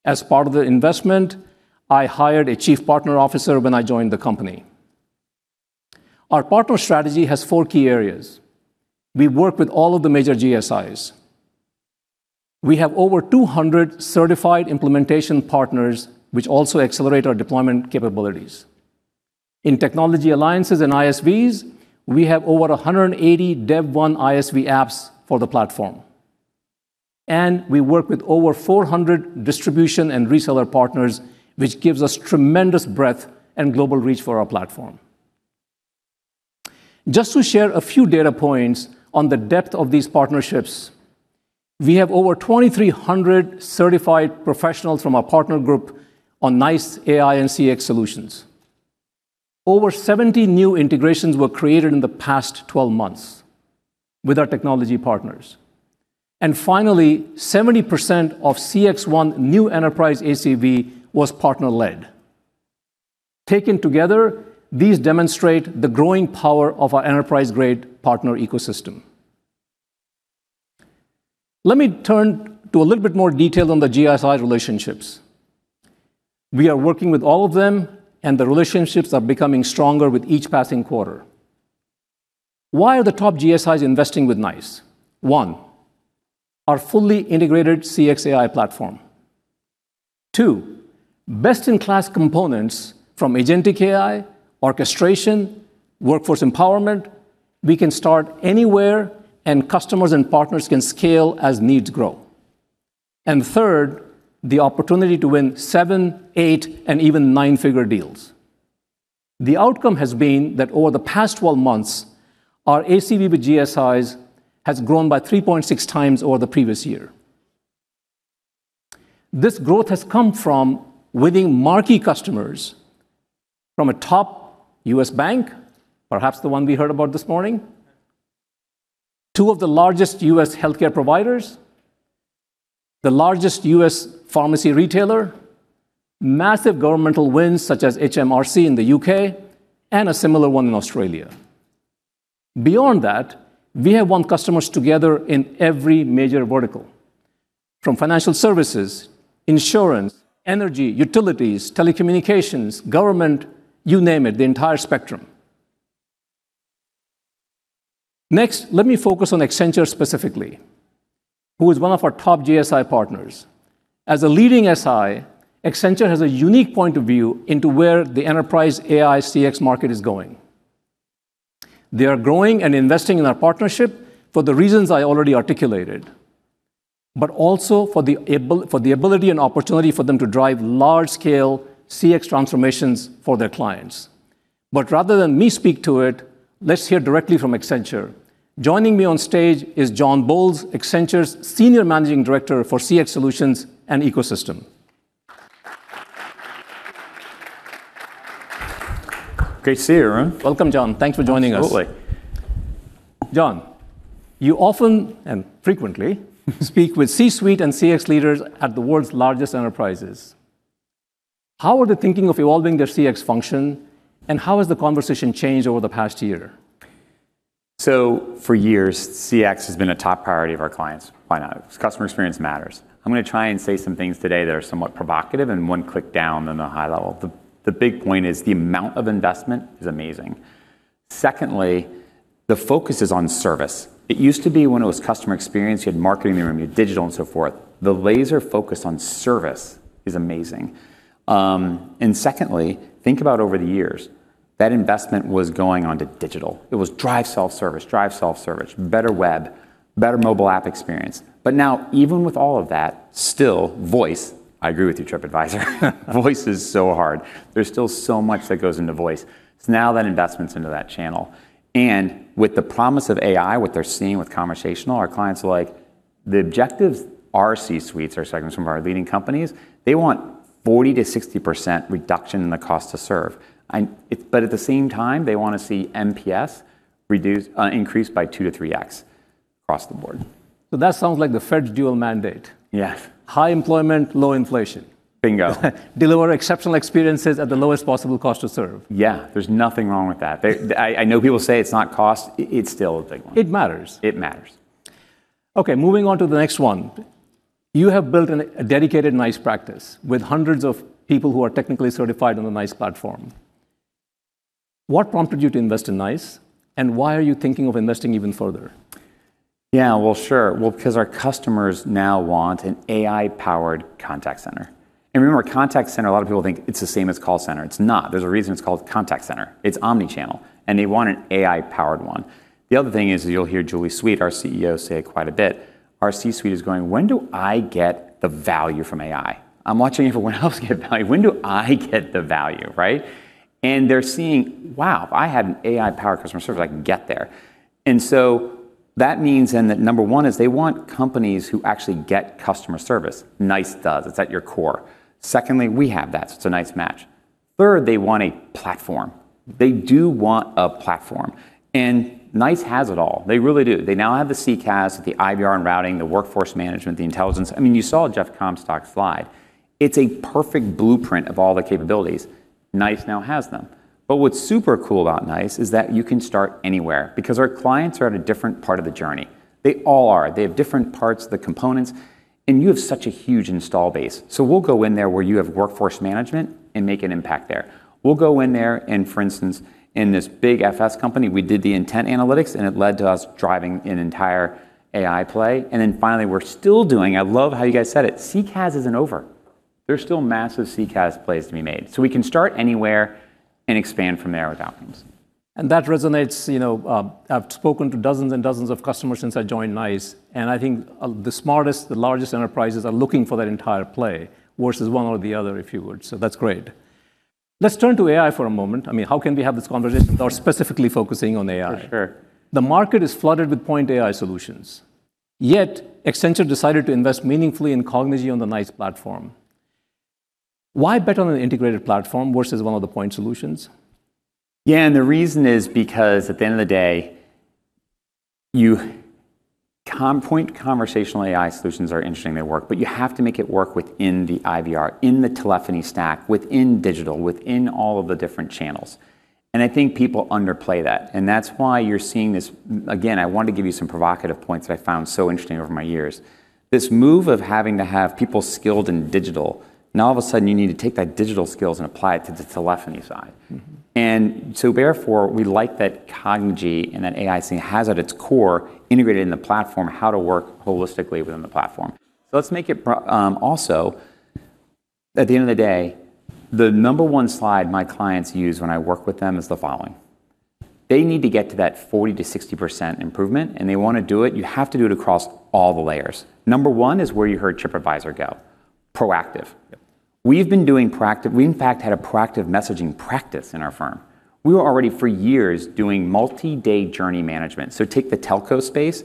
As part of the investment, I hired a Chief Partner Officer when I joined the company. Our partner strategy has four key areas. We work with all of the major GSIs. We have over 200 certified implementation partners, which also accelerate our deployment capabilities. In technology alliances and ISVs, we have over 180 DEVone ISV apps for the platform. We work with over 400 distribution and reseller partners, which gives us tremendous breadth and global reach for our platform. Just to share a few data points on the depth of these partnerships, we have over 2,300 certified professionals from our partner group on NICE AI and CX solutions. Over 70 new integrations were created in the past 12 months with our technology partners. Finally, 70% of CXone new enterprise ACV was partner-led. Taken together, these demonstrate the growing power of our enterprise-grade partner ecosystem. Let me turn to a little bit more detail on the GSI relationships. We are working with all of them, and the relationships are becoming stronger with each passing quarter. Why are the top GSIs investing with NICE? One, our fully integrated CXAI platform. Two, best-in-class components from agentic AI, orchestration, workforce empowerment. We can start anywhere, and customers and partners can scale as needs grow. Third, the opportunity to win seven, eight, and even nine-figure deals. The outcome has been that over the past 12 months, our ACV with GSIs has grown by 3.6x over the previous year. This growth has come from winning marquee customers from a top U.S. bank, perhaps the one we heard about this morning, two of the largest U.S. healthcare providers, the largest U.S. pharmacy retailer, massive governmental wins such as HMRC in the U.K., and a similar one in Australia. Beyond that, we have won customers together in every major vertical, from financial services, insurance, energy, utilities, telecommunications, government, you name it, the entire spectrum. Next, let me focus on Accenture specifically, who is one of our top GSI partners. As a leading SI, Accenture has a unique point of view into where the enterprise AI CX market is going. They are growing and investing in our partnership for the reasons I already articulated, but also for the ability and opportunity for them to drive large-scale CX transformations for their clients. Rather than me speak to it, let's hear directly from Accenture. Joining me on stage is Jon Bold, Accenture's Senior Managing Director for CX Solutions and Ecosystem. Great to see you, Arun. Welcome, Jon. Thanks for joining us. Absolutely. Jon, you often and frequently speak with C-suite and CX leaders at the world's largest enterprises. How are they thinking of evolving their CX function, and how has the conversation changed over the past year? For years, CX has been a top priority of our clients. Why not? Because customer experience matters. I'm going to try and say some things today that are somewhat provocative and one click down on the high level. The big point is the amount of investment is amazing. Secondly, the focus is on service. It used to be when it was customer experience, you had marketing, you had digital and so forth. The laser focus on service is amazing. Secondly, think about over the years, that investment was going onto digital. It was drive self-service, better web, better mobile app experience. Now, even with all of that, still voice, I agree with you, TripAdvisor, voice is so hard. There's still so much that goes into voice. Now that investment's into that channel. With the promise of AI, what they're seeing with conversational, our clients are, the objectives, our C-suites, our segments from our leading companies, they want 40%-60% reduction in the cost to serve. At the same time, they want to see NPS increased by 2x-3x across the board. That sounds like the Fed's dual mandate. Yeah. High employment, low inflation. Bingo. Deliver exceptional experiences at the lowest possible cost to serve. Yeah. There's nothing wrong with that. I know people say it's not cost. It's still a big one. It matters. It matters. Okay, moving on to the next one. You have built a dedicated NICE practice with hundreds of people who are technically certified on the NICE platform. What prompted you to invest in NICE, and why are you thinking of investing even further? Because our customers now want an AI-powered contact center. Remember, a contact center, a lot of people think it is the same as call center. It is not. There is a reason it is called contact center. It is omnichannel. They want an AI-powered one. The other thing is, you will hear Julie Sweet, our CEO, say it quite a bit, our C-suite is going, "When do I get the value from AI? I am watching everyone else get value. When do I get the value?" They are seeing, wow, if I had an AI-powered customer service, I can get there. Number one is they want companies who actually get customer service. NICE does. It is at your core. Secondly, we have that, so it is a nice match. Third, they want a platform. They do want a platform. NICE has it all. They really do. They now have the CCaaS, the IVR and routing, the workforce management, the intelligence. You saw Jeff Comstock's slide. It is a perfect blueprint of all the capabilities. NICE now has them. What is super cool about NICE is that you can start anywhere because our clients are at a different part of the journey. They all are. They have different parts of the components, and you have such a huge install base. We will go in there where you have workforce management and make an impact there. We will go in there and, for instance, in this big FS company, we did the intent analytics, and it led to us driving an entire AI play. Finally, we are still doing, I love how you guys said it, CCaaS is not over. There is still massive CCaaS plays to be made. We can start anywhere and expand from there with outcomes. That resonates. I have spoken to dozens and dozens of customers since I joined NICE, and I think the smartest, the largest enterprises are looking for that entire play versus one or the other, if you would. That is great. Let us turn to AI for a moment. How can we have this conversation without specifically focusing on AI? For sure. The market is flooded with point AI solutions. Yet, Accenture decided to invest meaningfully in Cognigy on the NICE platform. Why bet on an integrated platform versus one of the point solutions? Yeah, the reason is because at the end of the day, point conversational AI solutions are interesting. They work. You have to make it work within the IVR, in the telephony stack, within digital, within all of the different channels. I think people underplay that, and that's why you're seeing this. Again, I wanted to give you some provocative points that I found so interesting over my years. This move of having to have people skilled in digital. Now, all of a sudden, you need to take that digital skills and apply it to the telephony side. Therefore, we like that Cognigy and that AI has at its core, integrated in the platform, how to work holistically within the platform. Let's make it. Also, at the end of the day, the number one slide my clients use when I work with them is the following. They need to get to that 40%-60% improvement, and they want to do it. You have to do it across all the layers. Number one is where you heard TripAdvisor go, proactive. Yep. We've been doing proactive. We, in fact, had a proactive messaging practice in our firm. We were already for years doing multi-day journey management. Take the telco space.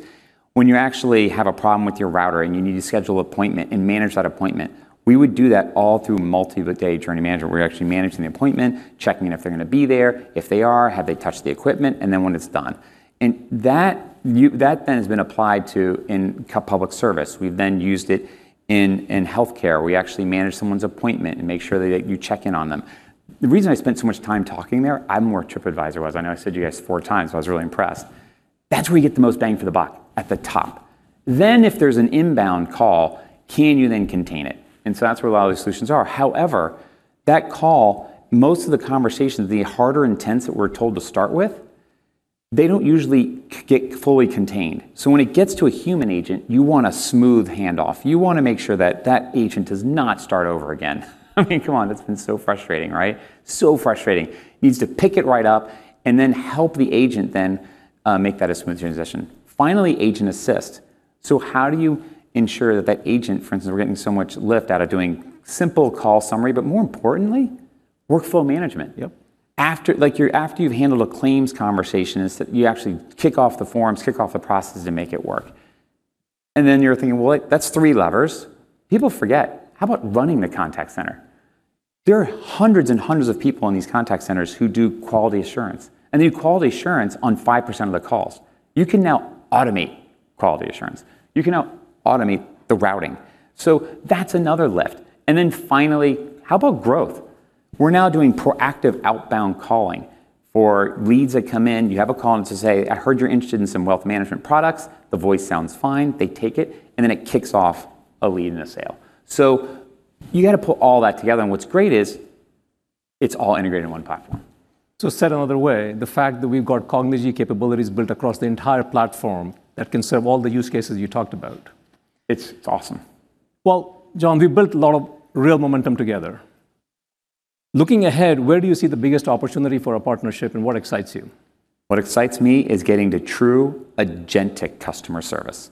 When you actually have a problem with your router and you need to schedule an appointment and manage that appointment, we would do that all through multi-day journey management. We're actually managing the appointment, checking if they're going to be there. If they are, have they touched the equipment? When it's done. That has been applied to in public service. We've used it in healthcare. We actually manage someone's appointment and make sure that you check in on them. The reason I spent so much time talking there, I'm where TripAdvisor was. I know I said you guys four times. I was really impressed. That's where you get the most bang for the buck, at the top. If there's an inbound call, can you then contain it? That's where a lot of these solutions are. However, that call, most of the conversations, the harder intents that we're told to start with, they don't usually get fully contained. When it gets to a human agent, you want a smooth handoff. You want to make sure that that agent does not start over again. Come on, that's been so frustrating, right? So frustrating. Needs to pick it right up and then help the agent then make that a smooth transition. Finally, agent assist. How do you ensure that that agent, for instance, we're getting so much lift out of doing simple call summary, but more importantly, workflow management. Yep. After you've handled a claims conversation, you actually kick off the forms, kick off the processes to make it work. You're thinking, "Well, that's three levers." People forget. How about running the contact center? There are hundreds and hundreds of people in these contact centers who do quality assurance, and they do quality assurance on 5% of the calls. You can now automate quality assurance. You can now automate the routing. That's another lift. Finally, how about growth? We're now doing proactive outbound calling for leads that come in. You have a call in to say, "I heard you're interested in some wealth management products." The voice sounds fine, they take it, and then it kicks off a lead in a sale. You got to put all that together, and what's great is it's all integrated in one platform. Said another way, the fact that we've got Cognigy capabilities built across the entire platform that can serve all the use cases you talked about. It's awesome. Jon, we built a lot of real momentum together. Looking ahead, where do you see the biggest opportunity for our partnership and what excites you? What excites me is getting to true agentic customer service.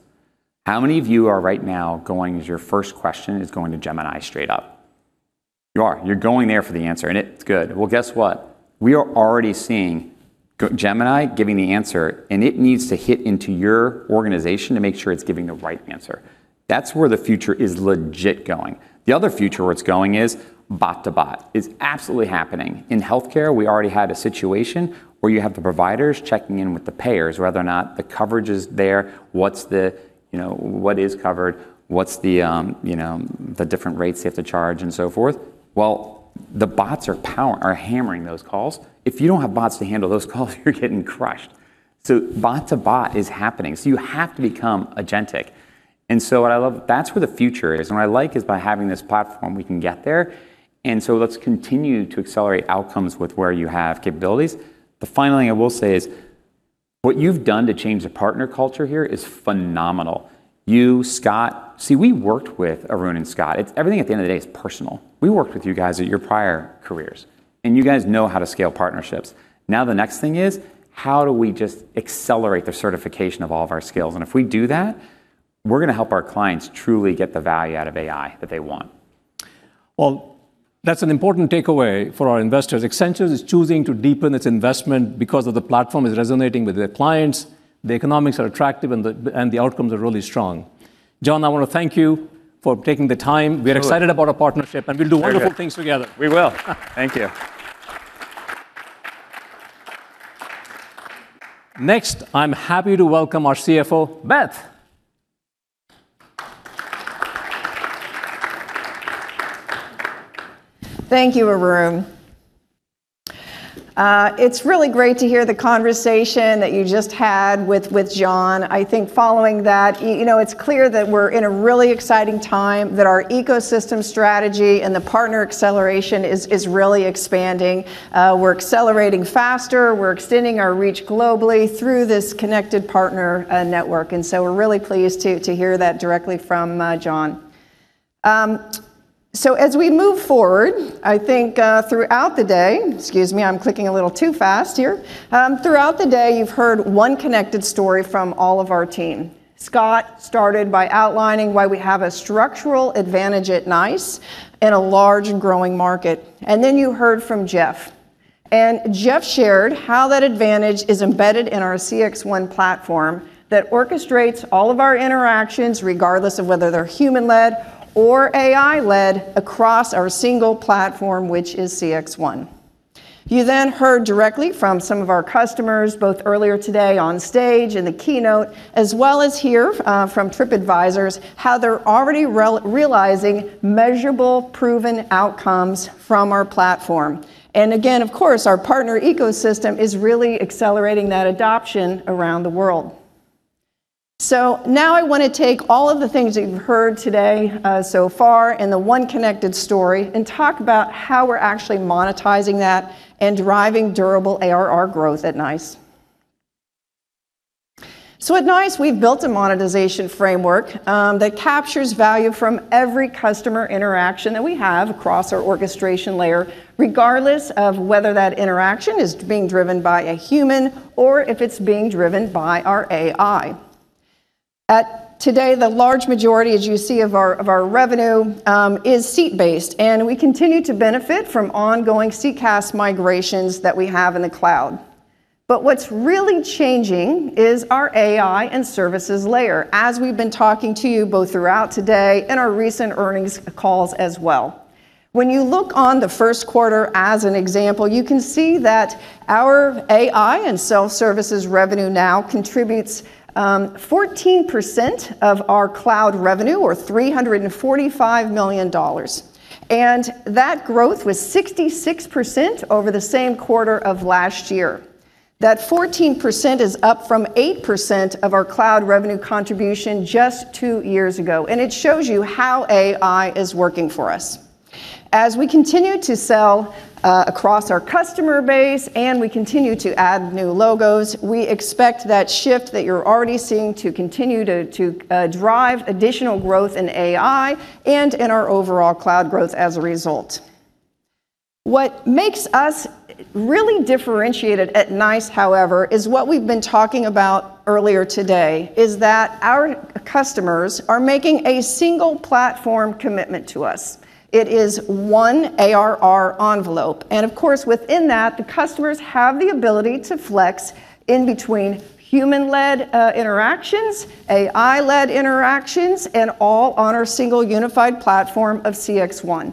How many of you are right now going, your first question is going to Gemini straight up? You are. You're going there for the answer, and it's good. Guess what? We are already seeing Gemini giving the answer, and it needs to hit into your organization to make sure it's giving the right answer. That's where the future is legit going. The other future where it's going is bot-to-bot. It's absolutely happening. In healthcare, we already had a situation where you have the providers checking in with the payers whether or not the coverage is there, what is covered, what's the different rates they have to charge, and so forth. The bots are hammering those calls. If you don't have bots to handle those calls, you're getting crushed. Bot-to-bot is happening. You have to become agentic. What I love, that's where the future is. What I like is by having this platform, we can get there. Let's continue to accelerate outcomes with where you have capabilities. The final thing I will say is what you've done to change the partner culture here is phenomenal. You, Scott. See, we worked with Arun and Scott. Everything at the end of the day is personal. We worked with you guys at your prior careers, and you guys know how to scale partnerships. Now the next thing is, how do we just accelerate the certification of all of our skills? If we do that, we're going to help our clients truly get the value out of AI that they want. Well, that's an important takeaway for our investors. Accenture is choosing to deepen its investment because of the platform is resonating with their clients, the economics are attractive, and the outcomes are really strong. Jon, I want to thank you for taking the time. Sure. We're excited about our partnership, and we'll do wonderful things together. We will. Thank you. Next, I'm happy to welcome our CFO, Beth. Thank you, Arun. It's really great to hear the conversation that you just had with Jon. I think following that, it's clear that we're in a really exciting time, that our ecosystem strategy and the partner acceleration is really expanding. We're accelerating faster. We're extending our reach globally through this connected partner network. We're really pleased to hear that directly from Jon. As we move forward, I think throughout the day, excuse me, I'm clicking a little too fast here. Throughout the day, you've heard one connected story from all of our team. Scott started by outlining why we have a structural advantage at NICE in a large and growing market. You heard from Jeff. Jeff shared how that advantage is embedded in our CXone platform that orchestrates all of our interactions, regardless of whether they're human-led or AI-led across our single platform, which is CXone. You then heard directly from some of our customers, both earlier today on stage in the keynote, as well as here from TripAdvisor, how they're already realizing measurable, proven outcomes from our platform. Again, of course, our partner ecosystem is really accelerating that adoption around the world. Now I want to take all of the things that you've heard today so far and the one connected story, and talk about how we're actually monetizing that and driving durable ARR growth at NICE. At NICE, we've built a monetization framework that captures value from every customer interaction that we have across our orchestration layer, regardless of whether that interaction is being driven by a human or if it's being driven by our AI. Today, the large majority, as you see, of our revenue is seat-based, and we continue to benefit from ongoing CCaaS migrations that we have in the cloud. What's really changing is our AI and services layer, as we've been talking to you both throughout today and our recent earnings calls as well. When you look on the first quarter as an example, you can see that our AI and self-services revenue now contributes 14% of our cloud revenue or $345 million. That growth was 66% over the same quarter of last year. That 14% is up from 8% of our cloud revenue contribution just two years ago, and it shows you how AI is working for us. As we continue to sell across our customer base and we continue to add new logos, we expect that shift that you're already seeing to continue to drive additional growth in AI and in our overall cloud growth as a result. What makes us really differentiated at NICE, however, is what we've been talking about earlier today, is that our customers are making a single platform commitment to us. It is one ARR envelope, and of course, within that, the customers have the ability to flex in between human-led interactions, AI-led interactions, and all on our single unified platform of CXone.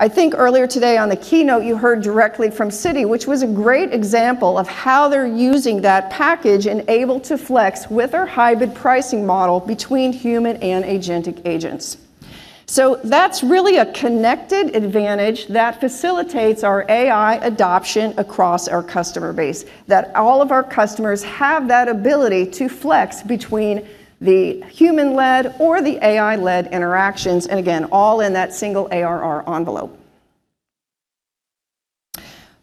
Earlier today on the keynote, you heard directly from Citi, which was a great example of how they're using that package and able to flex with our hybrid pricing model between human and agentic agents. That's really a connected advantage that facilitates our AI adoption across our customer base, that all of our customers have that ability to flex between the human-led or the AI-led interactions, and again, all in that single ARR envelope.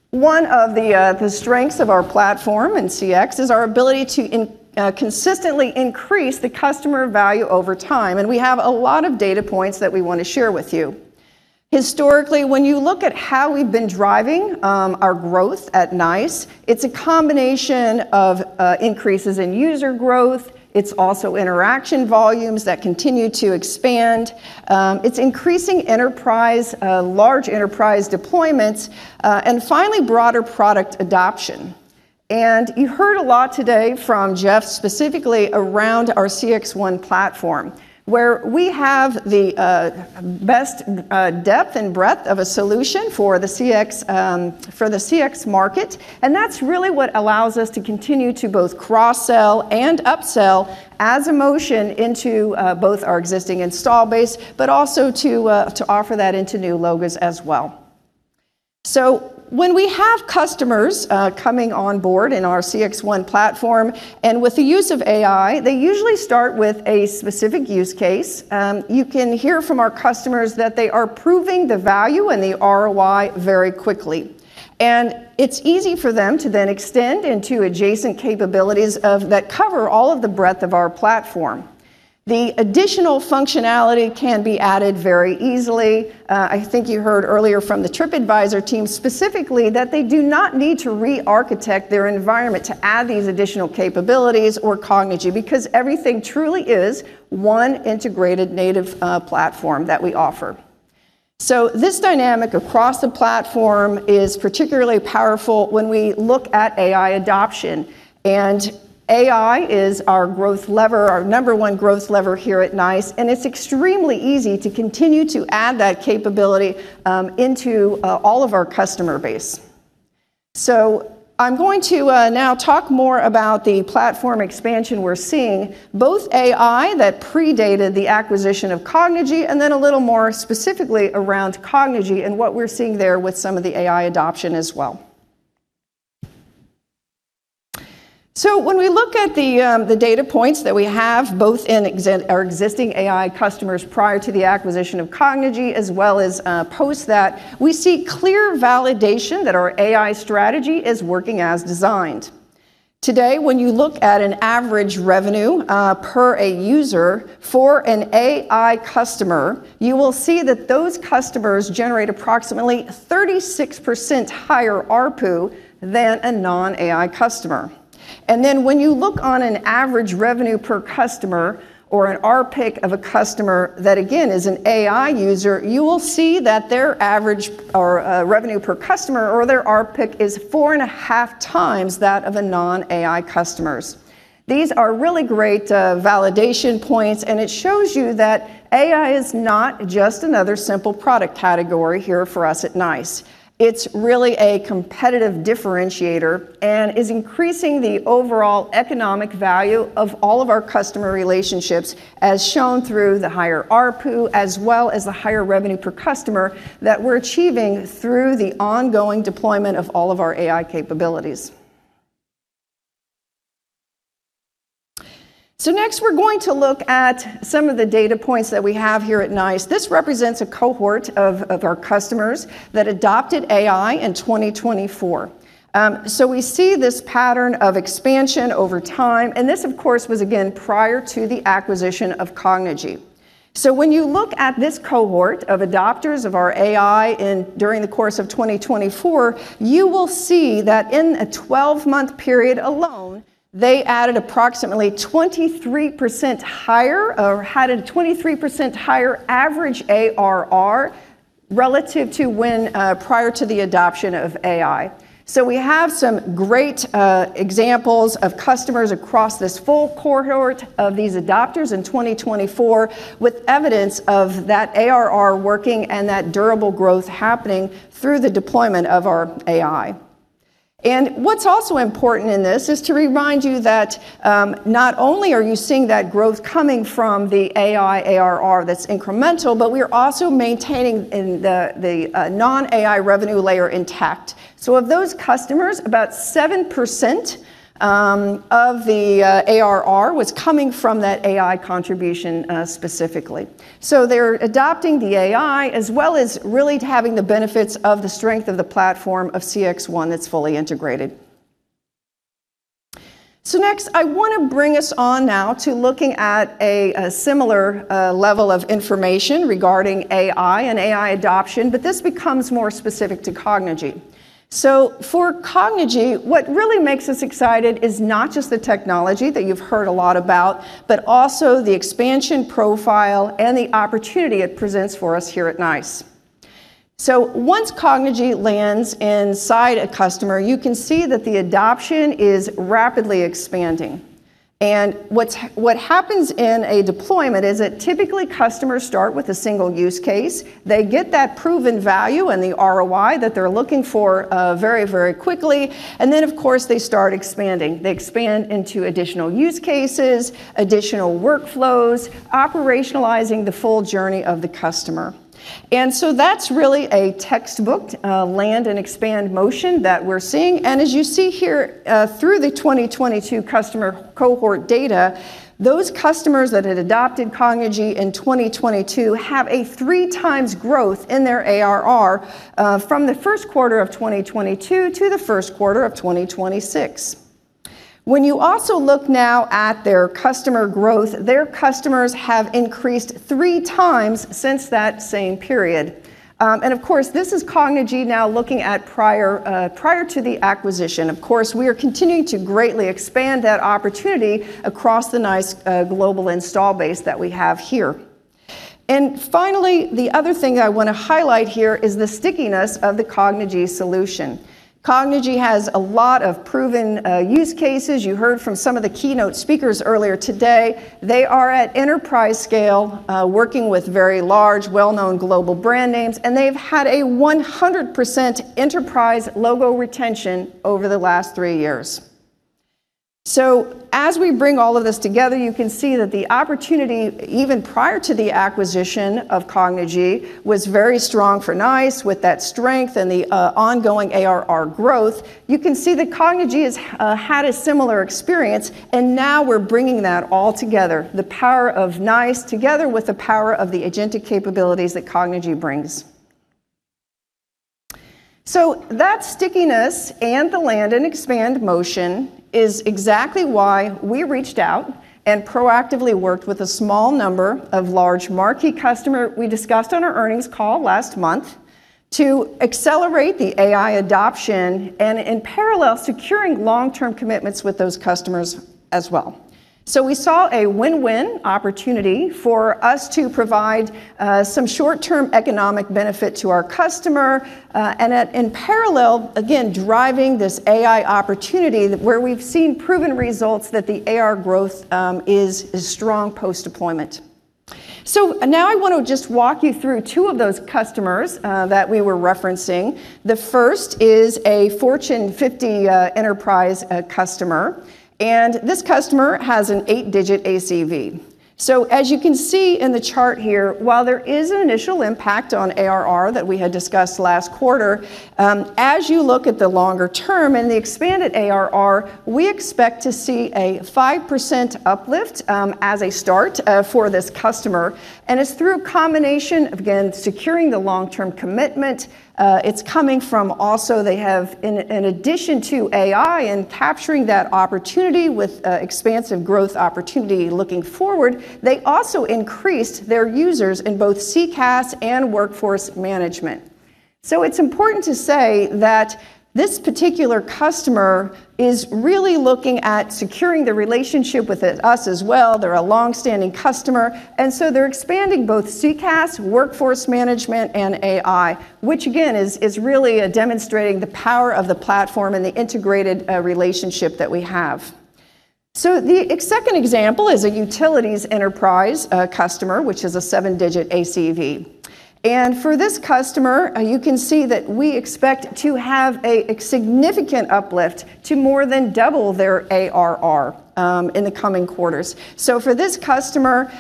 One of the strengths of our platform in CX is our ability to consistently increase the customer value over time, and we have a lot of data points that we want to share with you. Historically, when you look at how we've been driving our growth at NICE, it's a combination of increases in user growth. It's also interaction volumes that continue to expand. It's increasing enterprise, large enterprise deployments. Finally, broader product adoption. You heard a lot today from Jeff specifically around our CXone platform, where we have the best depth and breadth of a solution for the CX market, and that's really what allows us to continue to both cross-sell and upsell as a motion into both our existing install base, but also to offer that into new logos as well. When we have customers coming on board in our CXone platform and with the use of AI, they usually start with a specific use case. You can hear from our customers that they are proving the value and the ROI very quickly, and it's easy for them to then extend into adjacent capabilities that cover all of the breadth of our platform. The additional functionality can be added very easily. I think you heard earlier from the TripAdvisor team specifically that they do not need to re-architect their environment to add these additional capabilities or Cognigy, because everything truly is one integrated native platform that we offer. This dynamic across the platform is particularly powerful when we look at AI adoption. AI is our growth lever, our number one growth lever here at NICE, and it's extremely easy to continue to add that capability into all of our customer base. I'm going to now talk more about the platform expansion we're seeing, both AI that predated the acquisition of Cognigy, and then a little more specifically around Cognigy and what we're seeing there with some of the AI adoption as well. When we look at the data points that we have both in our existing AI customers prior to the acquisition of Cognigy as well as post that, we see clear validation that our AI strategy is working as designed. Today, when you look at an average revenue per a user for an AI customer, you will see that those customers generate approximately 36% higher ARPU than a non-AI customer. Then when you look on an average revenue per customer or an ARPC of a customer that, again, is an AI user, you will see that their average or revenue per customer or their ARPC is 4.5x that of a non-AI customers. These are really great validation points, and it shows you that AI is not just another simple product category here for us at NICE. It's really a competitive differentiator and is increasing the overall economic value of all of our customer relationships, as shown through the higher ARPU, as well as the higher revenue per customer that we're achieving through the ongoing deployment of all of our AI capabilities. Next, we're going to look at some of the data points that we have here at NICE. This represents a cohort of our customers that adopted AI in 2024. We see this pattern of expansion over time, and this, of course, was again prior to the acquisition of Cognigy. When you look at this cohort of adopters of our AI during the course of 2024, you will see that in a 12-month period alone, they added approximately 23% higher or had a 23% higher average ARR relative to when prior to the adoption of AI. We have some great examples of customers across this full cohort of these adopters in 2024 with evidence of that ARR working and that durable growth happening through the deployment of our AI. What's also important in this is to remind you that not only are you seeing that growth coming from the AI ARR that's incremental, but we're also maintaining the non-AI revenue layer intact. Of those customers, about 7% of the ARR was coming from that AI contribution, specifically. They're adopting the AI as well as really having the benefits of the strength of the platform of CXone that's fully integrated. Next, I want to bring us on now to looking at a similar level of information regarding AI and AI adoption, but this becomes more specific to Cognigy. For Cognigy, what really makes us excited is not just the technology that you've heard a lot about, but also the expansion profile and the opportunity it presents for us here at NICE. Once Cognigy lands inside a customer, you can see that the adoption is rapidly expanding. What happens in a deployment is that typically customers start with a single use case. They get that proven value and the ROI that they're looking for very quickly. Then, of course, they start expanding. They expand into additional use cases, additional workflows, operationalizing the full journey of the customer. That's really a textbook land-and-expand motion that we're seeing. As you see here through the 2022 customer cohort data, those customers that had adopted Cognigy in 2022 have a three times growth in their ARR from the first quarter of 2022 to the first quarter of 2026. When you also look now at their customer growth, their customers have increased three times since that same period. Of course, this is Cognigy now looking at prior to the acquisition. Of course, we are continuing to greatly expand that opportunity across the NICE global install base that we have here. Finally, the other thing I want to highlight here is the stickiness of the Cognigy solution. Cognigy has a lot of proven use cases. You heard from some of the keynote speakers earlier today. They are at enterprise scale, working with very large, well-known global brand names, and they've had a 100% enterprise logo retention over the last three years. As we bring all of this together, you can see that the opportunity, even prior to the acquisition of Cognigy, was very strong for NICE with that strength and the ongoing ARR growth. You can see that Cognigy has had a similar experience, and now we're bringing that all together, the power of NICE together with the power of the agentic capabilities that Cognigy brings. That stickiness and the land-and-expand motion is exactly why we reached out and proactively worked with a small number of large marquee customers we discussed on our earnings call last month to accelerate the AI adoption and in parallel, securing long-term commitments with those customers as well. We saw a win-win opportunity for us to provide some short-term economic benefit to our customer, and in parallel, again, driving this AI opportunity where we've seen proven results that the ARR growth is strong post-deployment. Now I want to just walk you through two of those customers that we were referencing. The first is a Fortune 50 enterprise customer, and this customer has an eight-digit ACV. As you can see in the chart here, while there is an initial impact on ARR that we had discussed last quarter, as you look at the longer term and the expanded ARR, we expect to see a 5% uplift as a start for this customer. It's through a combination of, again, securing the long-term commitment. It's coming from also, they have, in addition to AI and capturing that opportunity with expansive growth opportunity looking forward, they also increased their users in both CCaaS and Workforce Management. It's important to say that this particular customer is really looking at securing the relationship with us as well. They're a long-standing customer, they're expanding both CCaaS, Workforce Management, and AI, which again, is really demonstrating the power of the platform and the integrated relationship that we have. The second example is a utilities enterprise customer, which is a seven-digit ACV. For this customer, you can see that we expect to have a significant uplift to more than double their ARR in the coming quarters. For this customer,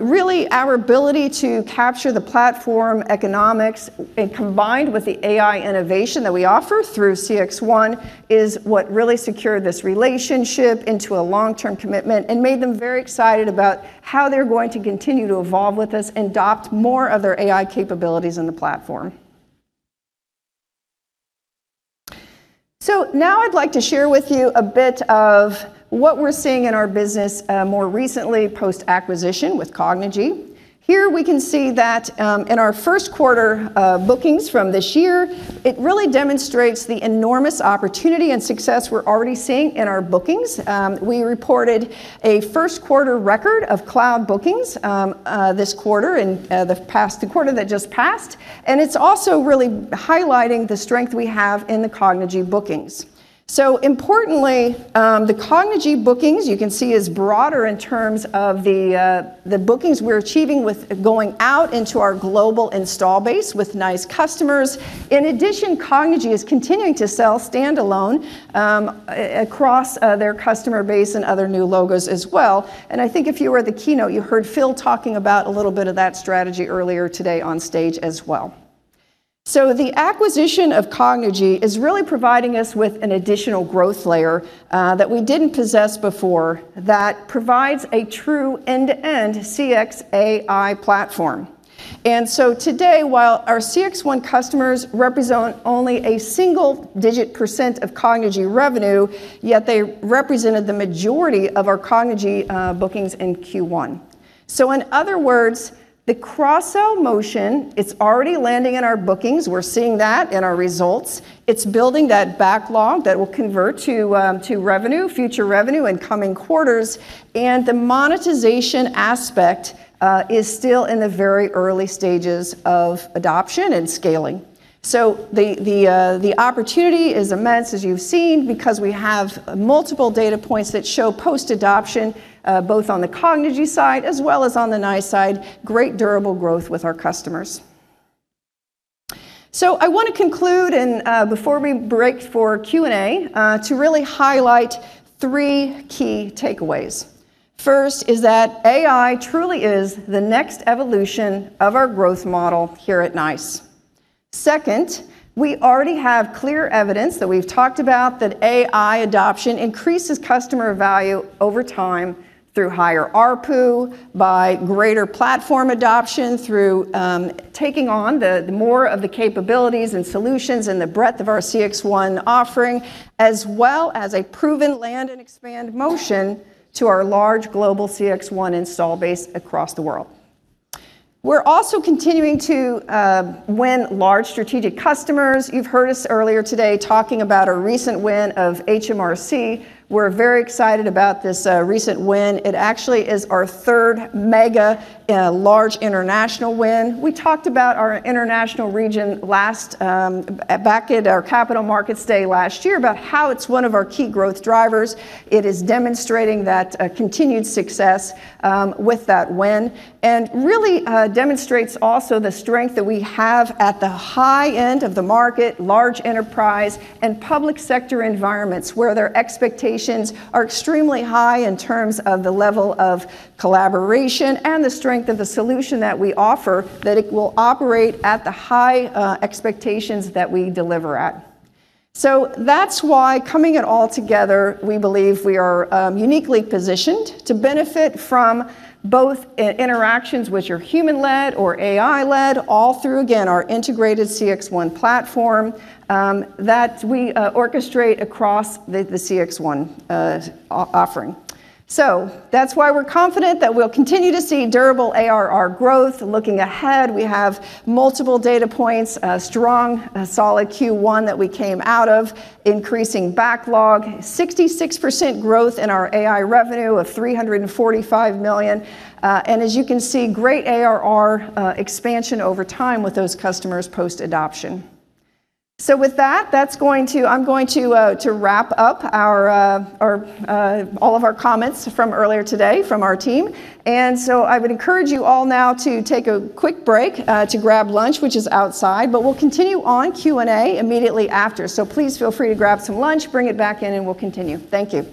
really our ability to capture the platform economics combined with the AI innovation that we offer through CXone is what really secured this relationship into a long-term commitment and made them very excited about how they're going to continue to evolve with us and adopt more of their AI capabilities in the platform. Now I'd like to share with you a bit of what we're seeing in our business more recently, post-acquisition with Cognigy. Here we can see that in our first quarter bookings from this year, it really demonstrates the enormous opportunity and success we're already seeing in our bookings. We reported a first-quarter record of cloud bookings this quarter and the quarter that just passed, and it's also really highlighting the strength we have in the Cognigy bookings. Importantly, the Cognigy bookings, you can see is broader in terms of the bookings we're achieving with going out into our global install base with NICE customers. In addition, Cognigy is continuing to sell standalone across their customer base and other new logos as well. I think if you were at the keynote, you heard Phil talking about a little bit of that strategy earlier today on stage as well. The acquisition of Cognigy is really providing us with an additional growth layer that we didn't possess before that provides a true end-to-end CXAI platform. Today, while our CXone customers represent only a single-digit percent of Cognigy revenue, yet they represented the majority of our Cognigy bookings in Q1. In other words, the cross-sell motion, it's already landing in our bookings. We're seeing that in our results. It's building that backlog that will convert to revenue, future revenue in coming quarters. The monetization aspect is still in the very early stages of adoption and scaling. The opportunity is immense, as you've seen, because we have multiple data points that show post-adoption, both on the Cognigy side as well as on the NICE side, great durable growth with our customers. I want to conclude and before we break for Q&A, to really highlight three key takeaways. First is that AI truly is the next evolution of our growth model here at NICE. Second, we already have clear evidence that we've talked about that AI adoption increases customer value over time through higher ARPU, by greater platform adoption, through taking on more of the capabilities and solutions and the breadth of our CXone offering, as well as a proven land and expand motion to our large global CXone install base across the world. We're also continuing to win large strategic customers. You've heard us earlier today talking about a recent win of HMRC. We're very excited about this recent win. It actually is our third mega large international win. We talked about our international region back at our Capital Markets Day last year about how it's one of our key growth drivers. It is demonstrating that continued success with that win and really demonstrates also the strength that we have at the high end of the market, large enterprise and public sector environments where their expectations are extremely high in terms of the level of collaboration and the strength of the solution that we offer, that it will operate at the high expectations that we deliver at. That's why coming it all together, we believe we are uniquely positioned to benefit from both interactions, which are human-led or AI-led, all through, again, our integrated CXone platform that we orchestrate across the CXone offering. That's why we're confident that we'll continue to see durable ARR growth. Looking ahead, we have multiple data points, a strong, solid Q1 that we came out of, increasing backlog, 66% growth in our AI revenue of $345 million. As you can see, great ARR expansion over time with those customers post-adoption. With that, I'm going to wrap up all of our comments from earlier today from our team. I would encourage you all now to take a quick break to grab lunch, which is outside. We'll continue on Q&A immediately after. Please feel free to grab some lunch, bring it back in, and we'll continue. Thank you.